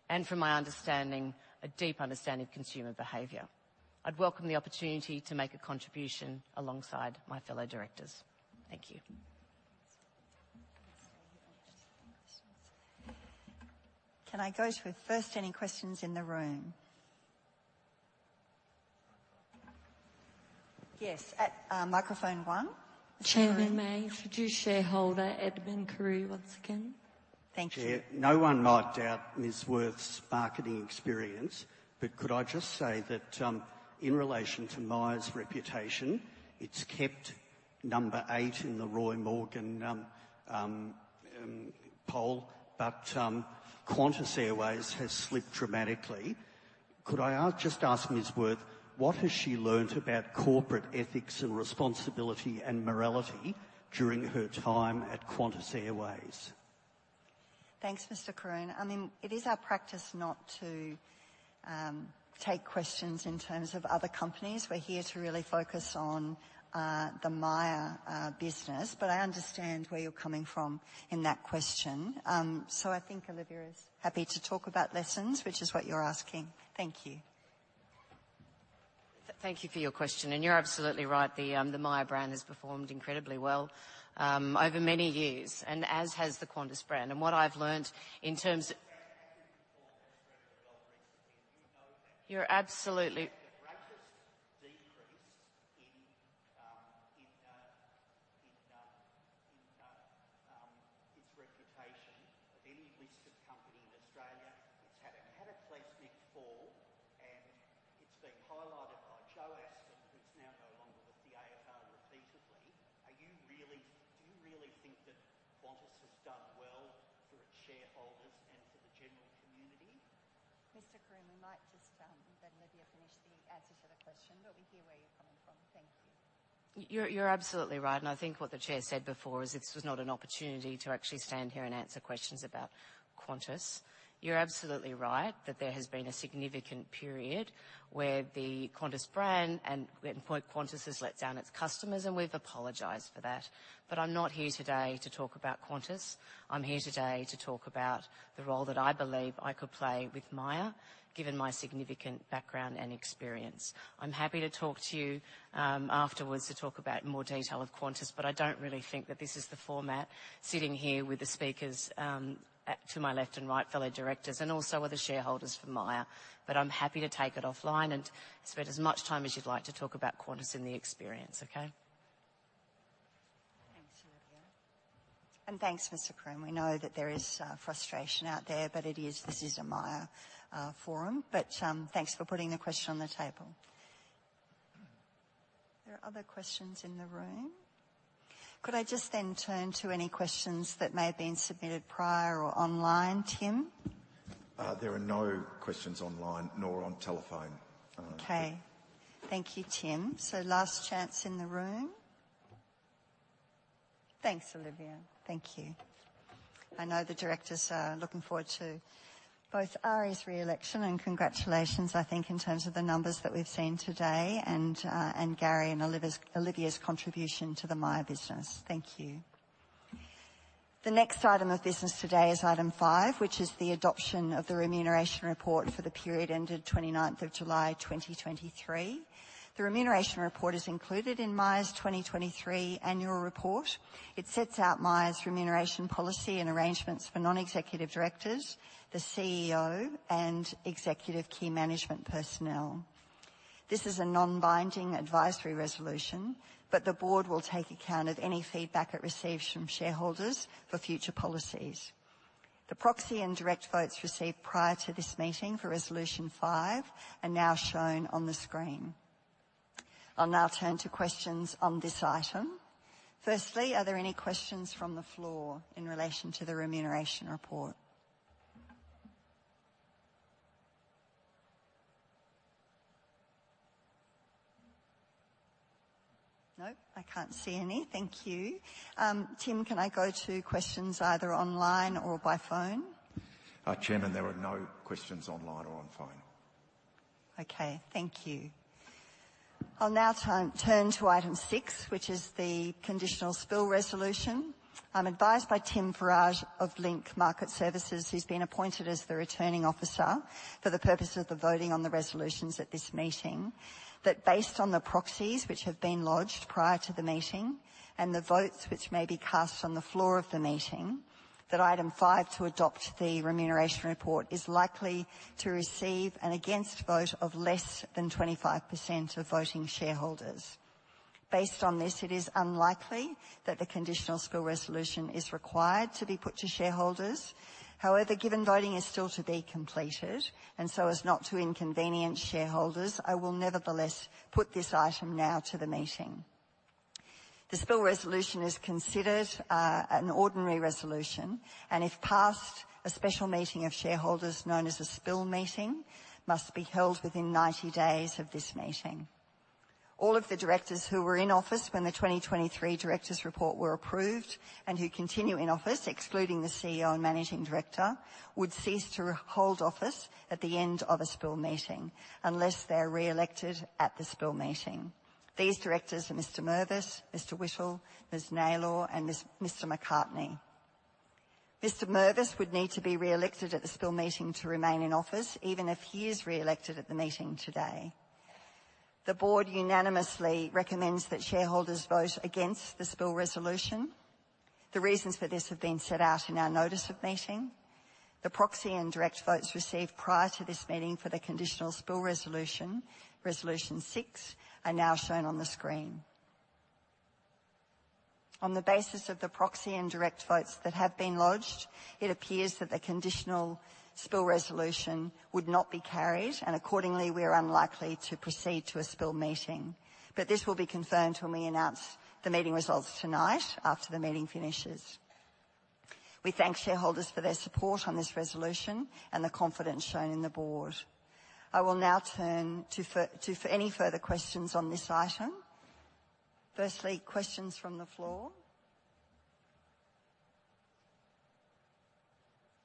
and from my understanding, a deep understanding of consumer behavior. I'd welcome the opportunity to make a contribution alongside my fellow directors. Thank you. Can I go to the first any questions in the room? Yes, at microphone one. Chairman, could you shareholder Edmund Carew once again? Thank you. Chair, no one might doubt Ms. Wirth's marketing experience, but could I just say that, in relation to Myer's reputation, it's kept number eight in the Roy Morgan poll, but Qantas Airways has slipped dramatically. Could I ask, just ask Ms. Wirth, what has she learnt about corporate ethics and responsibility and morality during her time at Qantas Airways? Thanks, Mr. Carew. I mean, it is our practice not to take questions in terms of other companies. We're here to really focus on the Myer business. But I understand where you're coming from in that question. So I think Olivia is happy to talk about lessons, which is what you're asking. Thank you. Thank you for your question, and you're absolutely right, the Myer brand has performed incredibly well over many years, and as has the Qantas brand. And what I've learnt in terms of- Performance incredibly well recently, you know that. You're absolutely- The greatest decrease in its reputation of any listed company in Australia, it's had a cataclysmic fall, and it's been highlighted by Joe Aston who is now no longer. (inaudible) Do you really think that Qantas has done well for its shareholders and for the general community? Mr. Carew, we might just let Olivia finish the answer to the question, but we hear where you're coming from. Thank you. You're absolutely right, and I think what the chair said before is this was not an opportunity to actually stand here and answer questions about Qantas. You're absolutely right, that there has been a significant period where the Qantas brand and where Qantas has let down its customers, and we've apologized for that. But I'm not here today to talk about Qantas. I'm here today to talk about the role that I believe I could play with Myer, given my significant background and experience. I'm happy to talk to you afterwards, to talk about in more detail of Qantas, but I don't really think that this is the format, sitting here with the speakers to my left and right, fellow directors, and also other shareholders for Myer. I'm happy to take it offline and spend as much time as you'd like to talk about Qantas and the experience, okay? Thanks, Olivia. And thanks, Mr. Carew. We know that there is frustration out there, but it is, this is a Myer forum. But thanks for putting the question on the table. Are there other questions in the room? Could I just then turn to any questions that may have been submitted prior or online, Tim? There are no questions online, nor on telephone. Okay, thank you, Tim. So last chance in the room. Thanks, Olivia. Thank you. I know the directors are looking forward to both Ari's re-election and congratulations, I think, in terms of the numbers that we've seen today, and and Gary and Olivia's, Olivia's contribution to the Myer business. Thank you. The next item of business today is item 5, which is the adoption of the Remuneration Report for the period ended 29th of July, 2023. The Remuneration Report is included in Myer's 2023 Annual Report. It sets out Myer's remuneration policy and arrangements for non-executive directors, the CEO, and executive key management personnel. This is a non-binding advisory resolution, but the Board will take account of any feedback it receives from shareholders for future policies. The proxy and direct votes received prior to this meeting for Resolution 5 are now shown on the screen. I'll now turn to questions on this item. Firstly, are there any questions from the floor in relation to the Remuneration Report? No, I can't see any. Thank you. Tim, can I go to questions either online or by phone? Chairman, there are no questions online or on phone. Okay, thank you. I'll now turn to Item 6, which is the Conditional Spill Resolution. I'm advised by Tim Farage of Link Market Services, who's been appointed as the Returning Officer for the purposes of the voting on the resolutions at this meeting, that based on the proxies which have been lodged prior to the meeting, and the votes which may be cast on the floor of the meeting, that Item 5, to adopt the Remuneration Report, is likely to receive an against vote of less than 25% of voting shareholders. Based on this, it is unlikely that the conditional spill resolution is required to be put to shareholders. However, given voting is still to be completed, and so as not to inconvenience shareholders, I will nevertheless put this item now to the meeting. The Spill Resolution is considered an ordinary resolution, and if passed, a special meeting of shareholders, known as a Spill Meeting, must be held within 90 days of this meeting. All of the directors who were in office when the 2023 Directors' Report were approved, and who continue in office, excluding the CEO and managing director, would cease to re-hold office at the end of a Spill Meeting, unless they are re-elected at the Spill Meeting. These directors are Mr. Mervis, Mr. Whittle, Ms. Naylor and Mr. McCartney. Mr. Mervis would need to be re-elected at the Spill Meeting to remain in office, even if he is re-elected at the meeting today. The Board unanimously recommends that shareholders vote against the spill resolution. The reasons for this have been set out in our notice of meeting. The proxy and direct votes received prior to this meeting for the conditional spill resolution, Resolution 6, are now shown on the screen. On the basis of the proxy and direct votes that have been lodged, it appears that the conditional spill resolution would not be carried, and accordingly, we are unlikely to proceed to a spill meeting. But this will be confirmed when we announce the meeting results tonight after the meeting finishes. We thank shareholders for their support on this resolution and the confidence shown in the Board. I will now turn to for any further questions on this item. Firstly, questions from the floor?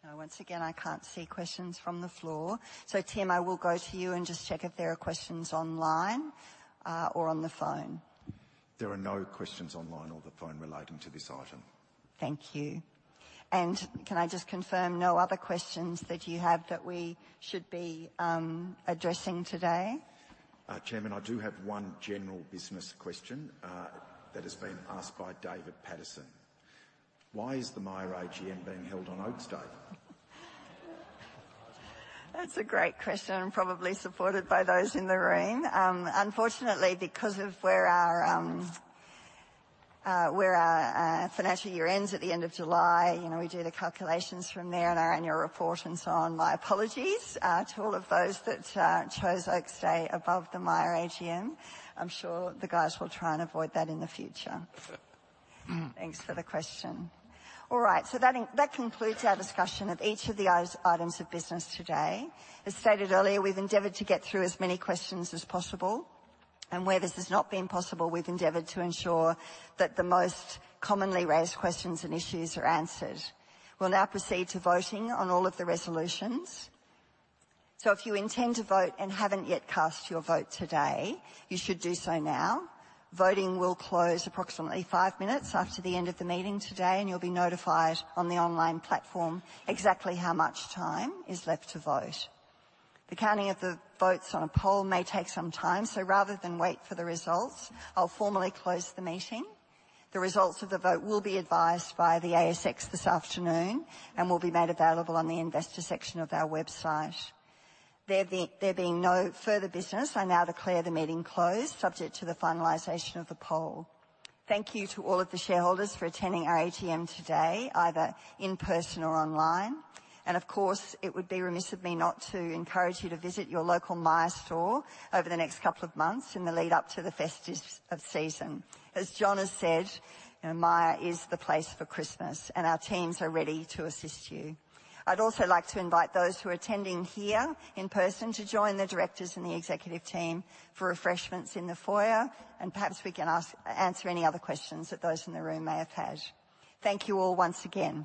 No, once again, I can't see questions from the floor. So Tim, I will go to you and just check if there are questions online, or on the phone. There are no questions online or the phone relating to this item. Thank you. Can I just confirm, no other questions that you have that we should be addressing today? Chairman, I do have one general business question, that has been asked by David Patterson: "Why is the Myer AGM being held on Oaks Day? That's a great question, and probably supported by those in the room. Unfortunately, because of where our financial year ends at the end of July, you know, we do the calculations from there in our annual report and so on. My apologies to all of those that chose Oaks Day above the Myer AGM. I'm sure the guys will try and avoid that in the future. Thanks for the question. All right, so that concludes our discussion of each of the items of business today. As stated earlier, we've endeavored to get through as many questions as possible, and where this has not been possible, we've endeavored to ensure that the most commonly raised questions and issues are answered. We'll now proceed to voting on all of the resolutions. So if you intend to vote and haven't yet cast your vote today, you should do so now. Voting will close approximately five minutes after the end of the meeting today, and you'll be notified on the online platform exactly how much time is left to vote. The counting of the votes on a poll may take some time, so rather than wait for the results, I'll formally close the meeting. The results of the vote will be advised by the ASX this afternoon, and will be made available on the investor section of our website. There being no further business, I now declare the meeting closed, subject to the finalization of the poll. Thank you to all of the shareholders for attending our AGM today, either in person or online. Of course, it would be remiss of me not to encourage you to visit your local Myer store over the next couple of months in the lead-up to the festive season. As John has said, Myer is the place for Christmas, and our teams are ready to assist you. I'd also like to invite those who are attending here in person to join the directors and the executive team for refreshments in the foyer, and perhaps we can answer any other questions that those in the room may have had. Thank you all once again.